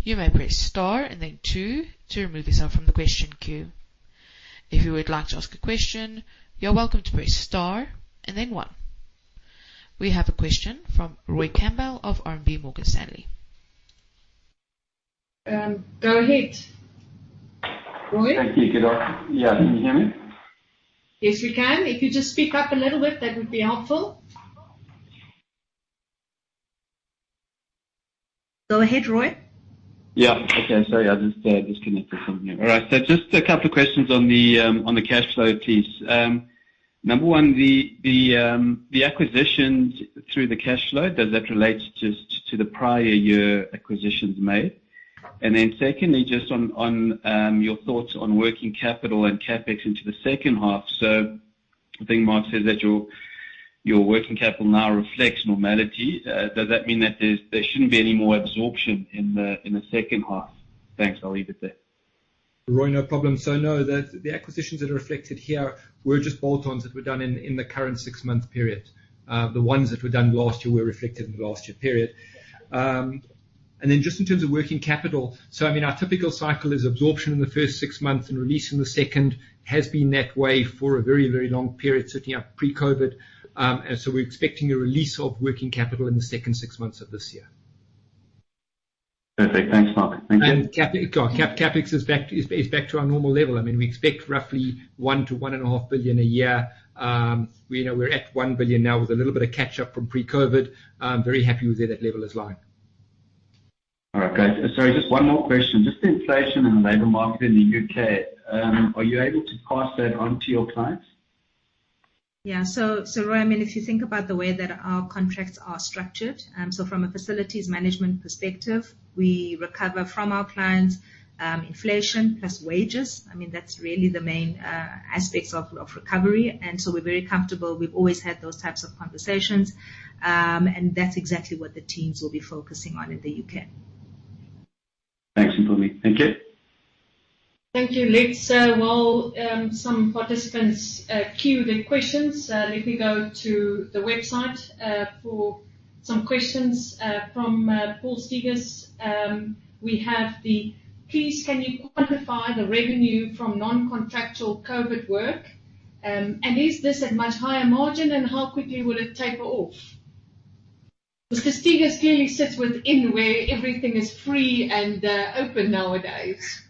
you may press star and then two to remove yourself from the question queue. If you would like to ask a question, you're welcome to press star and then one. We have a question from Roy Campbell of RMB Morgan Stanley. Go ahead, Roy. Thank you. Yeah. Can you hear me? Yes, we can. If you just speak up a little bit, that would be helpful. Go ahead, Roy. Yeah. Okay. Sorry, I just disconnected from here. All right. Just a couple of questions on the cash flow piece. Number one, the acquisitions through the cash flow, does that relate just to the prior year acquisitions made? And then secondly, just on your thoughts on working capital and CapEx into the second half. I think Mark says that your working capital now reflects normality. Does that mean that there shouldn't be any more absorption in the second half? Thanks. I'll leave it there. Roy, no problem. No, the acquisitions that are reflected here were just add-ons that were done in the current six-month period. The ones that were done last year were reflected in the last year period. Just in terms of working capital, I mean, our typical cycle is absorption in the first six months and release in the second, has been that way for a very, very long period, certainly up pre-COVID. We're expecting a release of working capital in the second six months of this year. Perfect. Thanks, Mark. Thank you. CapEx is back to our normal level. I mean, we expect roughly 1 billion-1.5 billion a year. We know we're at 1 billion now with a little bit of catch-up from pre-COVID. I'm very happy with where that level is lying. All right. Great. Sorry, just one more question. Just the inflation in the labor market in the U.K., are you able to pass that on to your clients? Roy, I mean, if you think about the way that our contracts are structured, from a facilities management perspective, we recover from our clients, inflation plus wages. I mean, that's really the main aspects of recovery, and we're very comfortable. We've always had those types of conversations, and that's exactly what the teams will be focusing on in the U.K. Thanks, Mpumi. Thank you. Thank you. Let's while some participants queue their questions, let me go to the website for some questions from Paul Steegers. We have. Please, can you quantify the revenue from non-contractual COVID work? And is this at much higher margin, and how quickly will it taper off? Mr. Steegers clearly sits within where everything is free and open nowadays.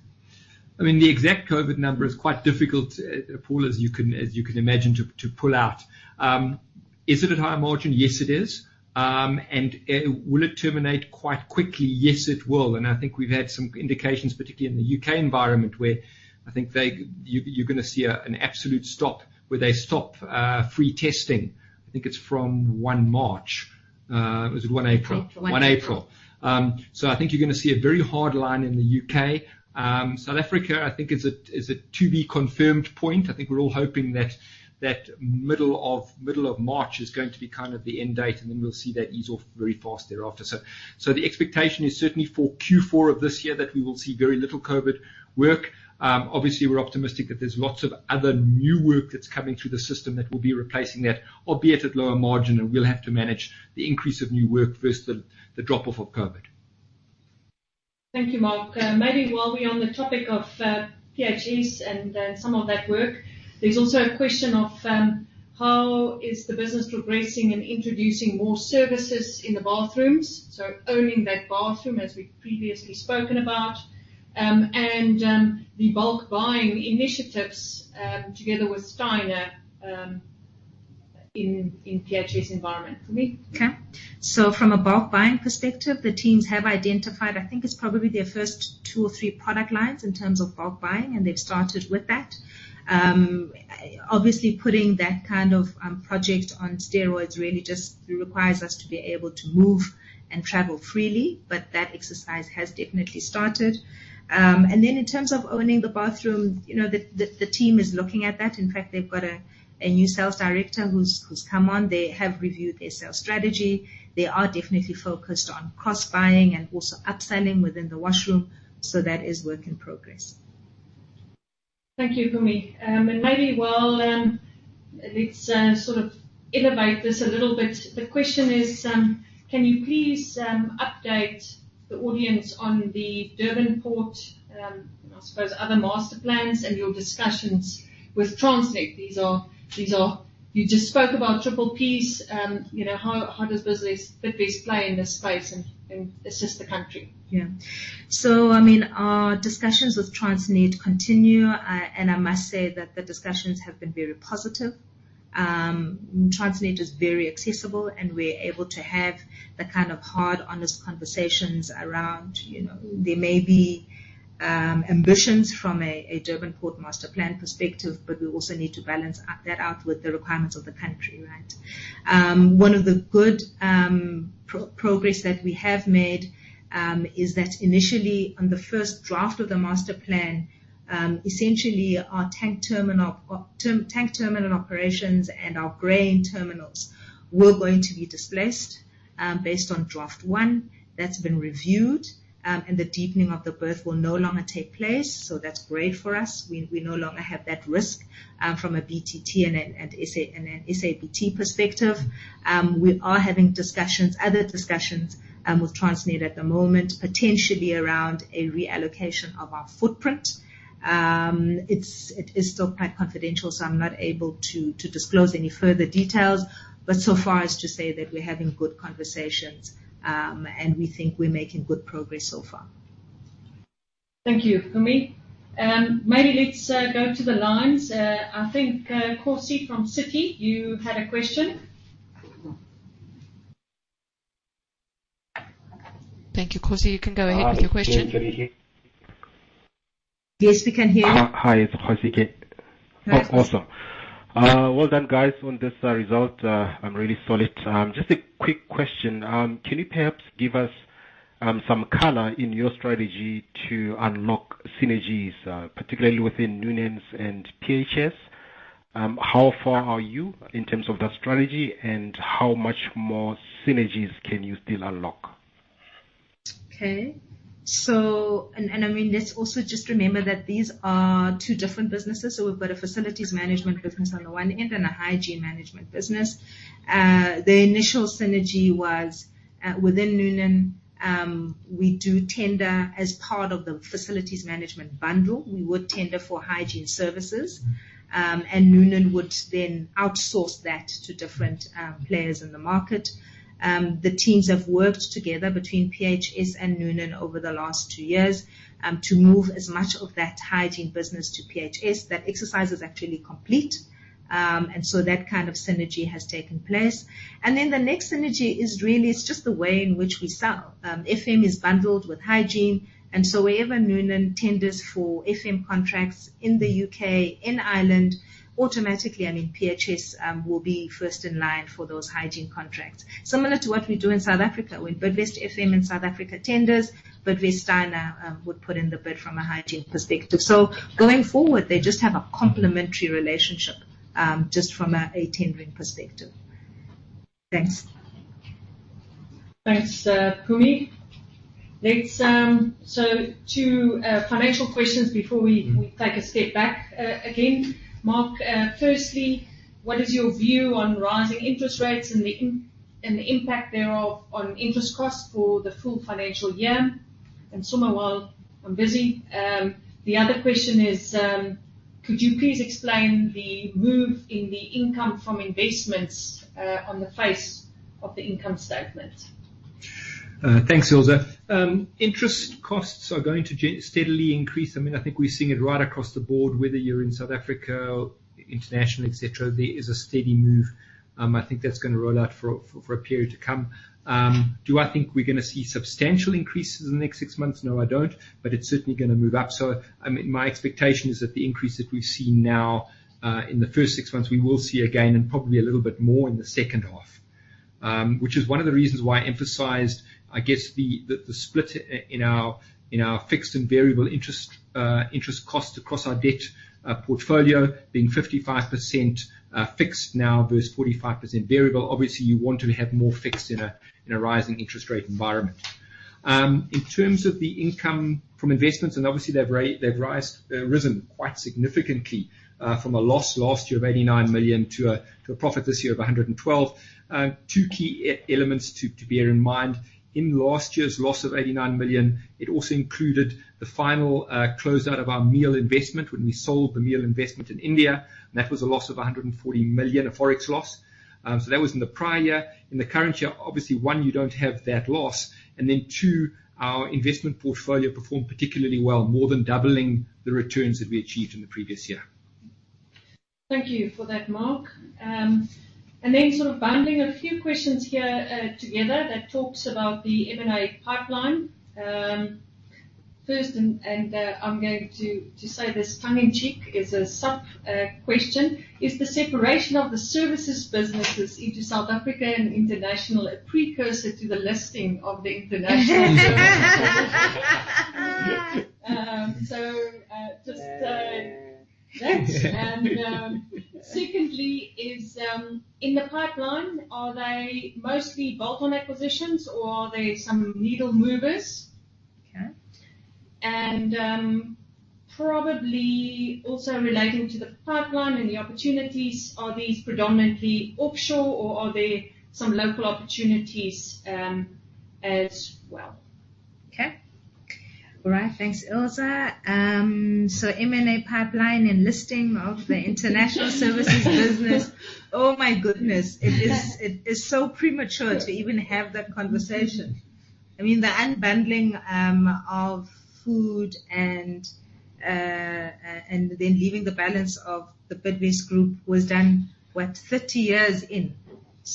I mean, the exact COVID number is quite difficult, Paul, as you can imagine, to pull out. Is it at higher margin? Yes, it is. Will it terminate quite quickly? Yes, it will. I think we've had some indications, particularly in the U.K. environment, where I think you're gonna see an absolute stop where they stop free testing. I think it's from 1 March. Or is it 1 April? 1 April. 1 April. I think you're gonna see a very hard line in the U.K. South Africa, I think is a to-be-confirmed point. I think we're all hoping that middle of March is going to be kind of the end date, and then we'll see that ease off very fast thereafter. The expectation is certainly for Q4 of this year that we will see very little COVID work. Obviously, we're optimistic that there's lots of other new work that's coming through the system that will be replacing that, albeit at lower margin, and we'll have to manage the increase of new work versus the drop-off of COVID. Thank you, Mark. Maybe while we're on the topic of PHS and some of that work, there's also a question of how is the business progressing in introducing more services in the bathrooms, so owning that bathroom as we've previously spoken about, and the bulk buying initiatives together with Steiner in PHS environment. Mpumi? Okay. From a bulk buying perspective, the teams have identified, I think it's probably their first two or three product lines in terms of bulk buying, and they've started with that. Obviously, putting that kind of project on steroids really just requires us to be able to move and travel freely, but that exercise has definitely started. In terms of owning the bathroom, you know, the team is looking at that. In fact, they've got a new sales director who's come on. They have reviewed their sales strategy. They are definitely focused on cross-buying and also upselling within the washroom, so that is work in progress. Thank you, Mpumi. Maybe we'll. Let's sort of elevate this a little bit. The question is, can you please update the audience on the Durban port, I suppose other master plans and your discussions with Transnet? These are. You just spoke about triple Ps. You know, how does business Bidvest play in this space and assist the country? Yeah. I mean, our discussions with Transnet continue. I must say that the discussions have been very positive. Transnet is very accessible, and we're able to have the kind of hard, honest conversations around you know. There may be ambitions from a Durban port master plan perspective, but we also need to balance that out with the requirements of the country, right? One of the good progress that we have made is that initially on the first draft of the master plan, essentially our tank terminal operations and our grain terminals were going to be displaced based on draft one. That's been reviewed, and the deepening of the berth will no longer take place, so that's great for us. We no longer have that risk from a BTT and SABT. From an SABT perspective. We are having discussions, other discussions, with Transnet at the moment, potentially around a reallocation of our footprint. It is still quite confidential, so I'm not able to disclose any further details, but so far as to say that we're having good conversations, and we think we're making good progress so far. Thank you, Mpumi. Maybe let's go to the lines. I think Kosi from Citi, you had a question. Thank you. Khosi, you can go ahead with your question. Can you hear me? Yes, we can hear. Hi, it's Kosi Kitso. Hi, Kosi. Well done, guys, on this result. Really solid. Just a quick question. Can you perhaps give us some color in your strategy to unlock synergies, particularly within Noonan and phs? How far are you in terms of that strategy, and how much more synergies can you still unlock? Okay. I mean, let's also just remember that these are two different businesses, so we've got a facilities management business on the one end and a hygiene management business. The initial synergy was within Noonan. We do tender as part of the facilities management bundle. We would tender for hygiene services, and Noonan would then outsource that to different players in the market. The teams have worked together between phs and Noonan over the last two years to move as much of that hygiene business to phs. That exercise is actually complete, and so that kind of synergy has taken place. The next synergy is really, it's just the way in which we sell. FM is bundled with hygiene, and so wherever Noonan tenders for FM contracts in the U.K., in Ireland, automatically, I mean, phs will be first in line for those hygiene contracts. Similar to what we do in South Africa. When Bidvest FM in South Africa tenders, Bidvest Steiner would put in the bid from a hygiene perspective. Going forward, they just have a complementary relationship, just from a tendering perspective. Thanks. Thanks, Mpumi. Two financial questions before we take a step back again. Mark, firstly, what is your view on rising interest rates and the impact thereof on interest costs for the full financial year? Secondly, while I'm busy, the other question is, could you please explain the move in the income from investments on the face of the income statement? Thanks, Ilze. Interest costs are going to steadily increase. I mean, I think we're seeing it right across the board, whether you're in South Africa, international, et cetera. There is a steady move. I think that's gonna roll out for a period to come. Do I think we're gonna see substantial increases in the next six months? No, I don't. It's certainly gonna move up. I mean, my expectation is that the increase that we've seen now in the first six months, we will see again and probably a little bit more in the second half. Which is one of the reasons why I emphasized, I guess, the split in our fixed and variable interest costs across our debt portfolio, being 55% fixed now versus 45% variable. Obviously, you want to have more fixed in a rising interest rate environment. In terms of the income from investments, and obviously they've risen quite significantly from a loss last year of 89 million to a profit this year of 112 million. Two key elements to bear in mind. In last year's loss of 89 million, it also included the final close-out of our MIAL investment when we sold the MIAL investment in India, and that was a loss of 140 million, a Forex loss. That was in the prior year. In the current year, obviously, one, you don't have that loss, and then two, our investment portfolio performed particularly well, more than doubling the returns that we achieved in the previous year. Thank you for that, Mark. Sort of bundling a few questions here together that talks about the M&A pipeline. First, I'm going to say this tongue-in-cheek is a sub question. Is the separation of the services businesses into South Africa and international a precursor to the listing of the international services business? Just that. Secondly is, in the pipeline, are they mostly bolt-on acquisitions or are they some needle movers? Okay. Probably also relating to the pipeline and the opportunities, are these predominantly offshore or are there some local opportunities, as well? Okay. All right. Thanks, Ilze. M&A pipeline and listing of the international services business. Oh my goodness. It is so premature to even have that conversation. I mean, the unbundling of food and and then leaving the balance of the Bidvest Group was done, what? 30 years in.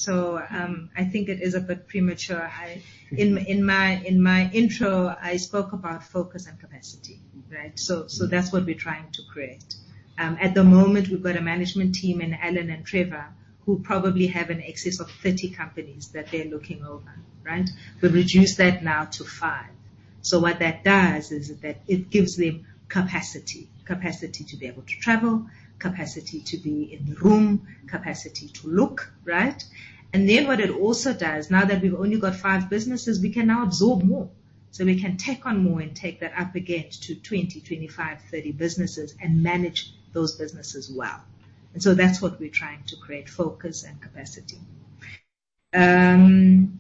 I think it is a bit premature. In my intro, I spoke about focus and capacity, right? That's what we're trying to create. At the moment, we've got a management team in Alan and Trevor who probably have an excess of 30 companies that they're looking over, right? We've reduced that now to five. What that does is that it gives them capacity. Capacity to be able to travel, capacity to be in the room, capacity to look, right? What it also does, now that we've only got five businesses, we can now absorb more. We can take on more and take that up again to 20, 25, 30 businesses and manage those businesses well. That's what we're trying to create, focus and capacity. Pipeline,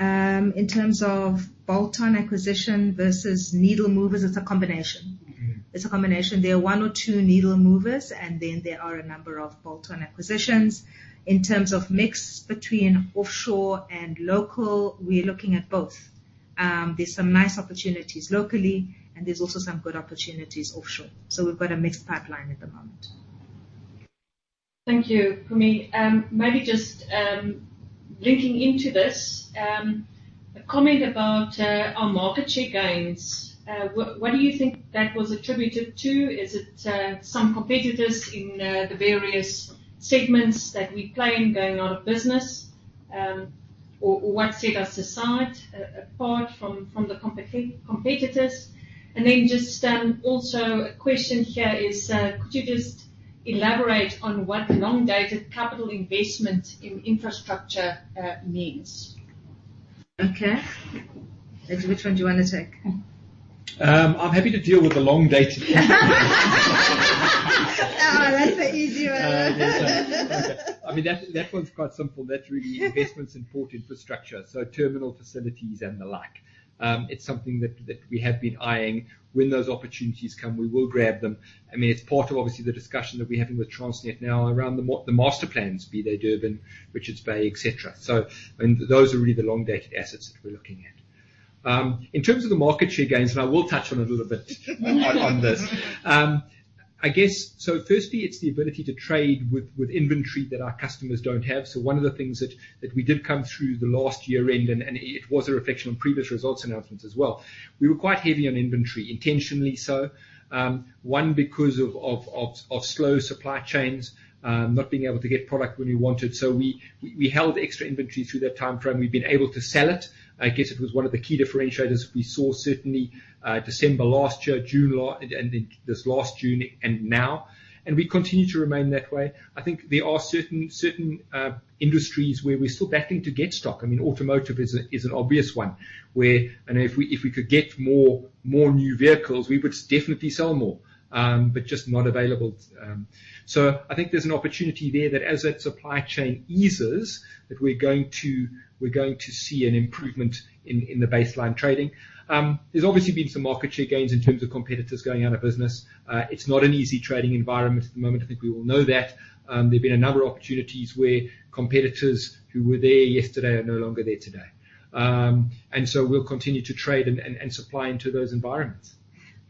in terms of bolt-on acquisition versus needle movers, it's a combination. It's a combination. There are one or two needle movers, and then there are a number of bolt-on acquisitions. In terms of mix between offshore and local, we're looking at both. There's some nice opportunities locally, and there's also some good opportunities offshore. We've got a mixed pipeline at the moment. Thank you, Mpumi. Maybe just linking into this, a comment about our market share gains. What do you think that was attributed to? Is it some competitors in the various segments that we play in going out of business? Or what set us apart from the competitors? Just also a question here is, could you just elaborate on what long-dated capital investment in infrastructure means? Okay. Which one do you wanna take? I'm happy to deal with the long-dated. Oh, that's the easy one. Yes. Okay. I mean, that one's quite simple. That's really investments in port infrastructure, so terminal facilities and the like. It's something we have been eyeing. When those opportunities come, we will grab them. I mean, it's part of obviously the discussion that we're having with Transnet now around the master plans, be they Durban, Richards Bay, et cetera. I mean, those are really the long-dated assets that we're looking at. In terms of the market share gains, and I will touch on it a little bit on this. I guess, firstly, it's the ability to trade with inventory that our customers don't have. One of the things that we did come through the last year end, and it was a reflection on previous results announcements as well, we were quite heavy on inventory, intentionally. One, because of slow supply chains, not being able to get product when we wanted, so we held extra inventory through that timeframe. We've been able to sell it. I guess it was one of the key differentiators we saw certainly, December last year, June last year and in this last June and now, and we continue to remain that way. I think there are certain industries where we're still battling to get stock. I mean, automotive is an obvious one, where, you know, if we could get more new vehicles, we would definitely sell more. But just not available. I think there's an opportunity there that as that supply chain eases, we're going to see an improvement in the baseline trading. There's obviously been some market share gains in terms of competitors going out of business. It's not an easy trading environment at the moment. I think we all know that. There've been a number of opportunities where competitors who were there yesterday are no longer there today. We'll continue to trade and supply into those environments.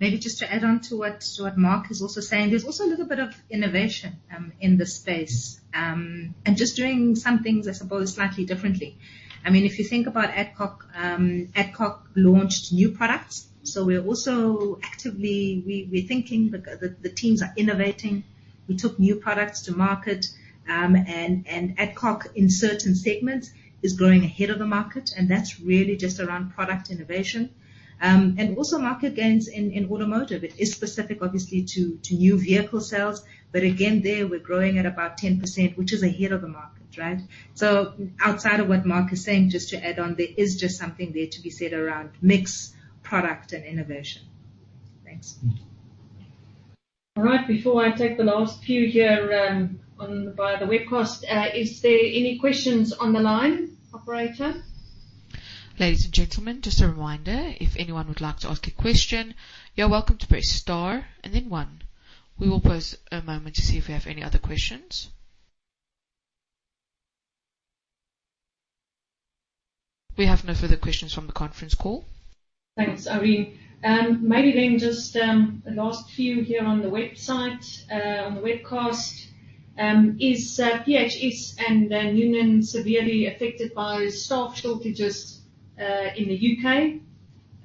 Maybe just to add on to what Mark is also saying, there's also a little bit of innovation in this space. And just doing some things, I suppose, slightly differently. I mean, if you think about Adcock launched new products, so we are also actively. We thinking, the teams are innovating. We took new products to market, and Adcock in certain segments is growing ahead of the market, and that's really just around product innovation. And also market gains in automotive. It is specific obviously to new vehicle sales, but again, there we're growing at about 10%, which is ahead of the market, right? So outside of what Mark is saying, just to add on, there is just something there to be said around mix, product and innovation. Thanks. All right. Before I take the last few here on the webcast, is there any questions on the line, operator? Ladies and gentlemen, just a reminder, if anyone would like to ask a question, you're welcome to press star and then one. We will pause a moment to see if we have any other questions. We have no further questions from the conference call. Thanks, Irene. Maybe then just the last few here on the website, on the webcast. Is phs and then Noonan severely affected by staff shortages in the U.K.?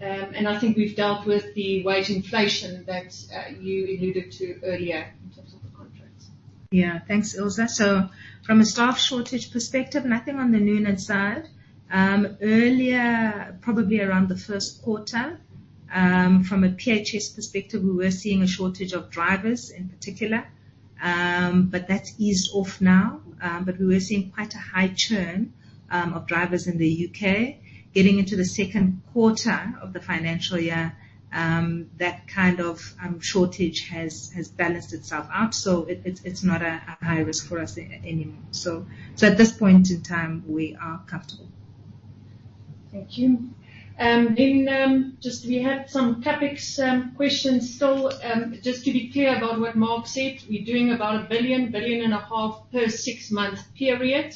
I think we've dealt with the wage inflation that you alluded to earlier in terms of the contracts. Yeah. Thanks, Ilze. From a staff shortage perspective, nothing on the Noonan side. Earlier, probably around the first quarter, from a PHS perspective, we were seeing a shortage of drivers in particular, but that's eased off now. But we were seeing quite a high churn of drivers in the U.K. Getting into the second quarter of the financial year, that kind of shortage has balanced itself out, so it's not a high risk for us anymore. At this point in time we are comfortable. Thank you. Just we had some CapEx questions. To be clear about what Mark said, we're doing about 1 billion-1.5 billion per six-month period.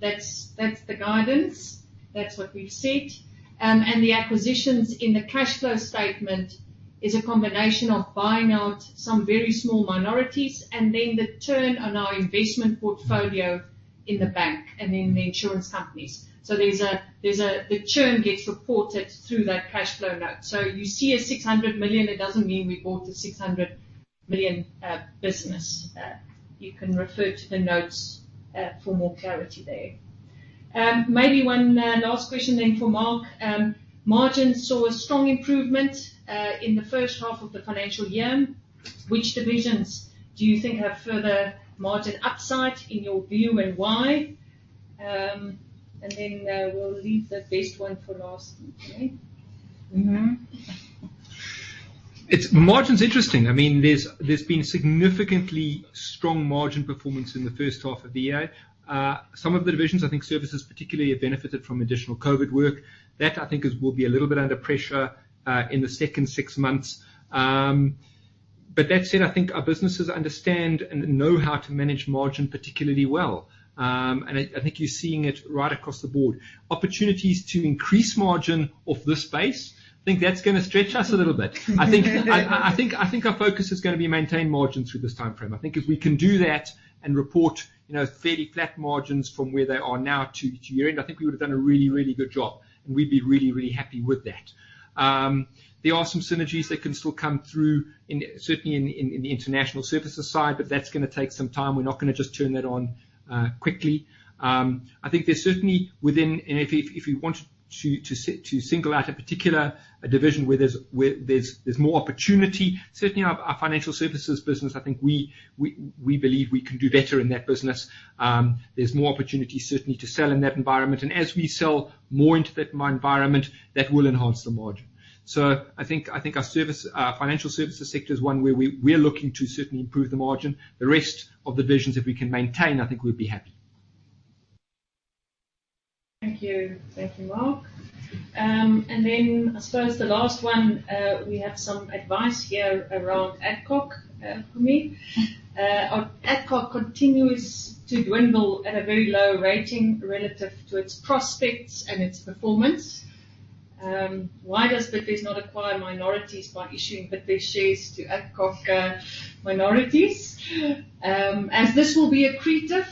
That's the guidance. That's what we've said. The acquisitions in the cash flow statement is a combination of buying out some very small minorities and then the churn on our investment portfolio in the bank and in the insurance companies. There's a the churn gets reported through that cash flow note. You see 600 million, it doesn't mean we bought a 600 million business. You can refer to the notes for more clarity there. Maybe one last question then for Mark. Margins saw a strong improvement in the first half of the financial year. Which divisions do you think have further margin upside in your view, and why? We'll leave the best one for last, okay? Mm-hmm. Margin's interesting. I mean, there's been significantly strong margin performance in the first half of the year. Some of the divisions, I think, Services particularly have benefited from additional COVID work. That will be a little bit under pressure in the second six months. But that said, I think our businesses understand and know how to manage margin particularly well. And I think you're seeing it right across the board. Opportunities to increase margin off this base, I think that's gonna stretch us a little bit. I think our focus is gonna be maintain margin through this timeframe. I think if we can do that and report, you know, fairly flat margins from where they are now to year-end, I think we would've done a really, really good job, and we'd be really, really happy with that. There are some synergies that can still come through certainly in the international services side, but that's gonna take some time. We're not gonna just turn that on quickly. I think there's certainly. If we want to single out a particular division where there's more opportunity, certainly our financial services business, I think we believe we can do better in that business. There's more opportunity certainly to sell in that environment. As we sell more into that environment, that will enhance the margin. I think our service, our financial services sector is one where we're looking to certainly improve the margin. The rest of the divisions, if we can maintain, I think we'd be happy. Thank you. Thank you, Mark. I suppose the last one, we have some advice here around Adcock for me. "Adcock continues to dwindle at a very low rating relative to its prospects and its performance. Why does Bidvest not acquire minorities by issuing Bidvest shares to Adcock minorities, as this will be accretive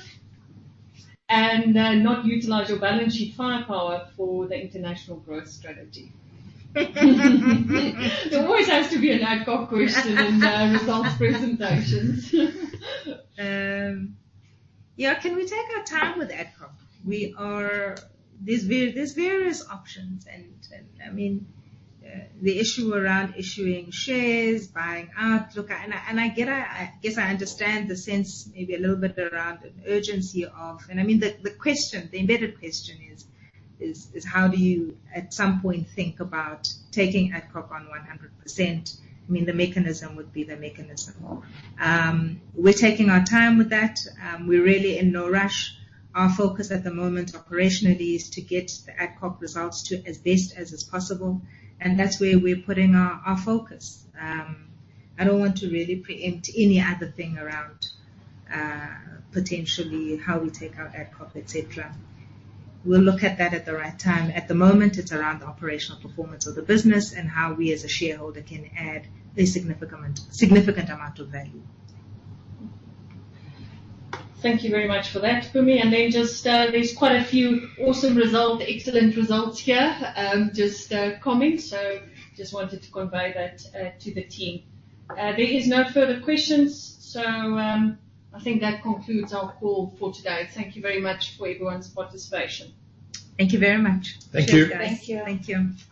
and not utilize your balance sheet firepower for the international growth strategy?" There always has to be an Adcock question in the results presentations. Yeah. Can we take our time with Adcock? There is various options and, I mean, the issue around issuing shares, buying out. Look, I get it. I guess I understand the sense maybe a little bit around an urgency. I mean, the question, the embedded question is how do you at some point think about taking Adcock on 100%? I mean, the mechanism would be the mechanism. We are taking our time with that. We are really in no rush. Our focus at the moment operationally is to get the Adcock results to as best as is possible, and that is where we are putting our focus. I do not want to really pre-empt any other thing around potentially how we take our Adcock, et cetera. We will look at that at the right time. At the moment, it's around the operational performance of the business and how we as a shareholder can add a significant amount of value. Thank you very much for that, Mpumi. Just, there's quite a few awesome result, excellent results here, just comments, so just wanted to convey that to the team. There is no further questions, so I think that concludes our call for today. Thank you very much for everyone's participation. Thank you very much. Thank you. Cheers, guys. Thank you. Thank you.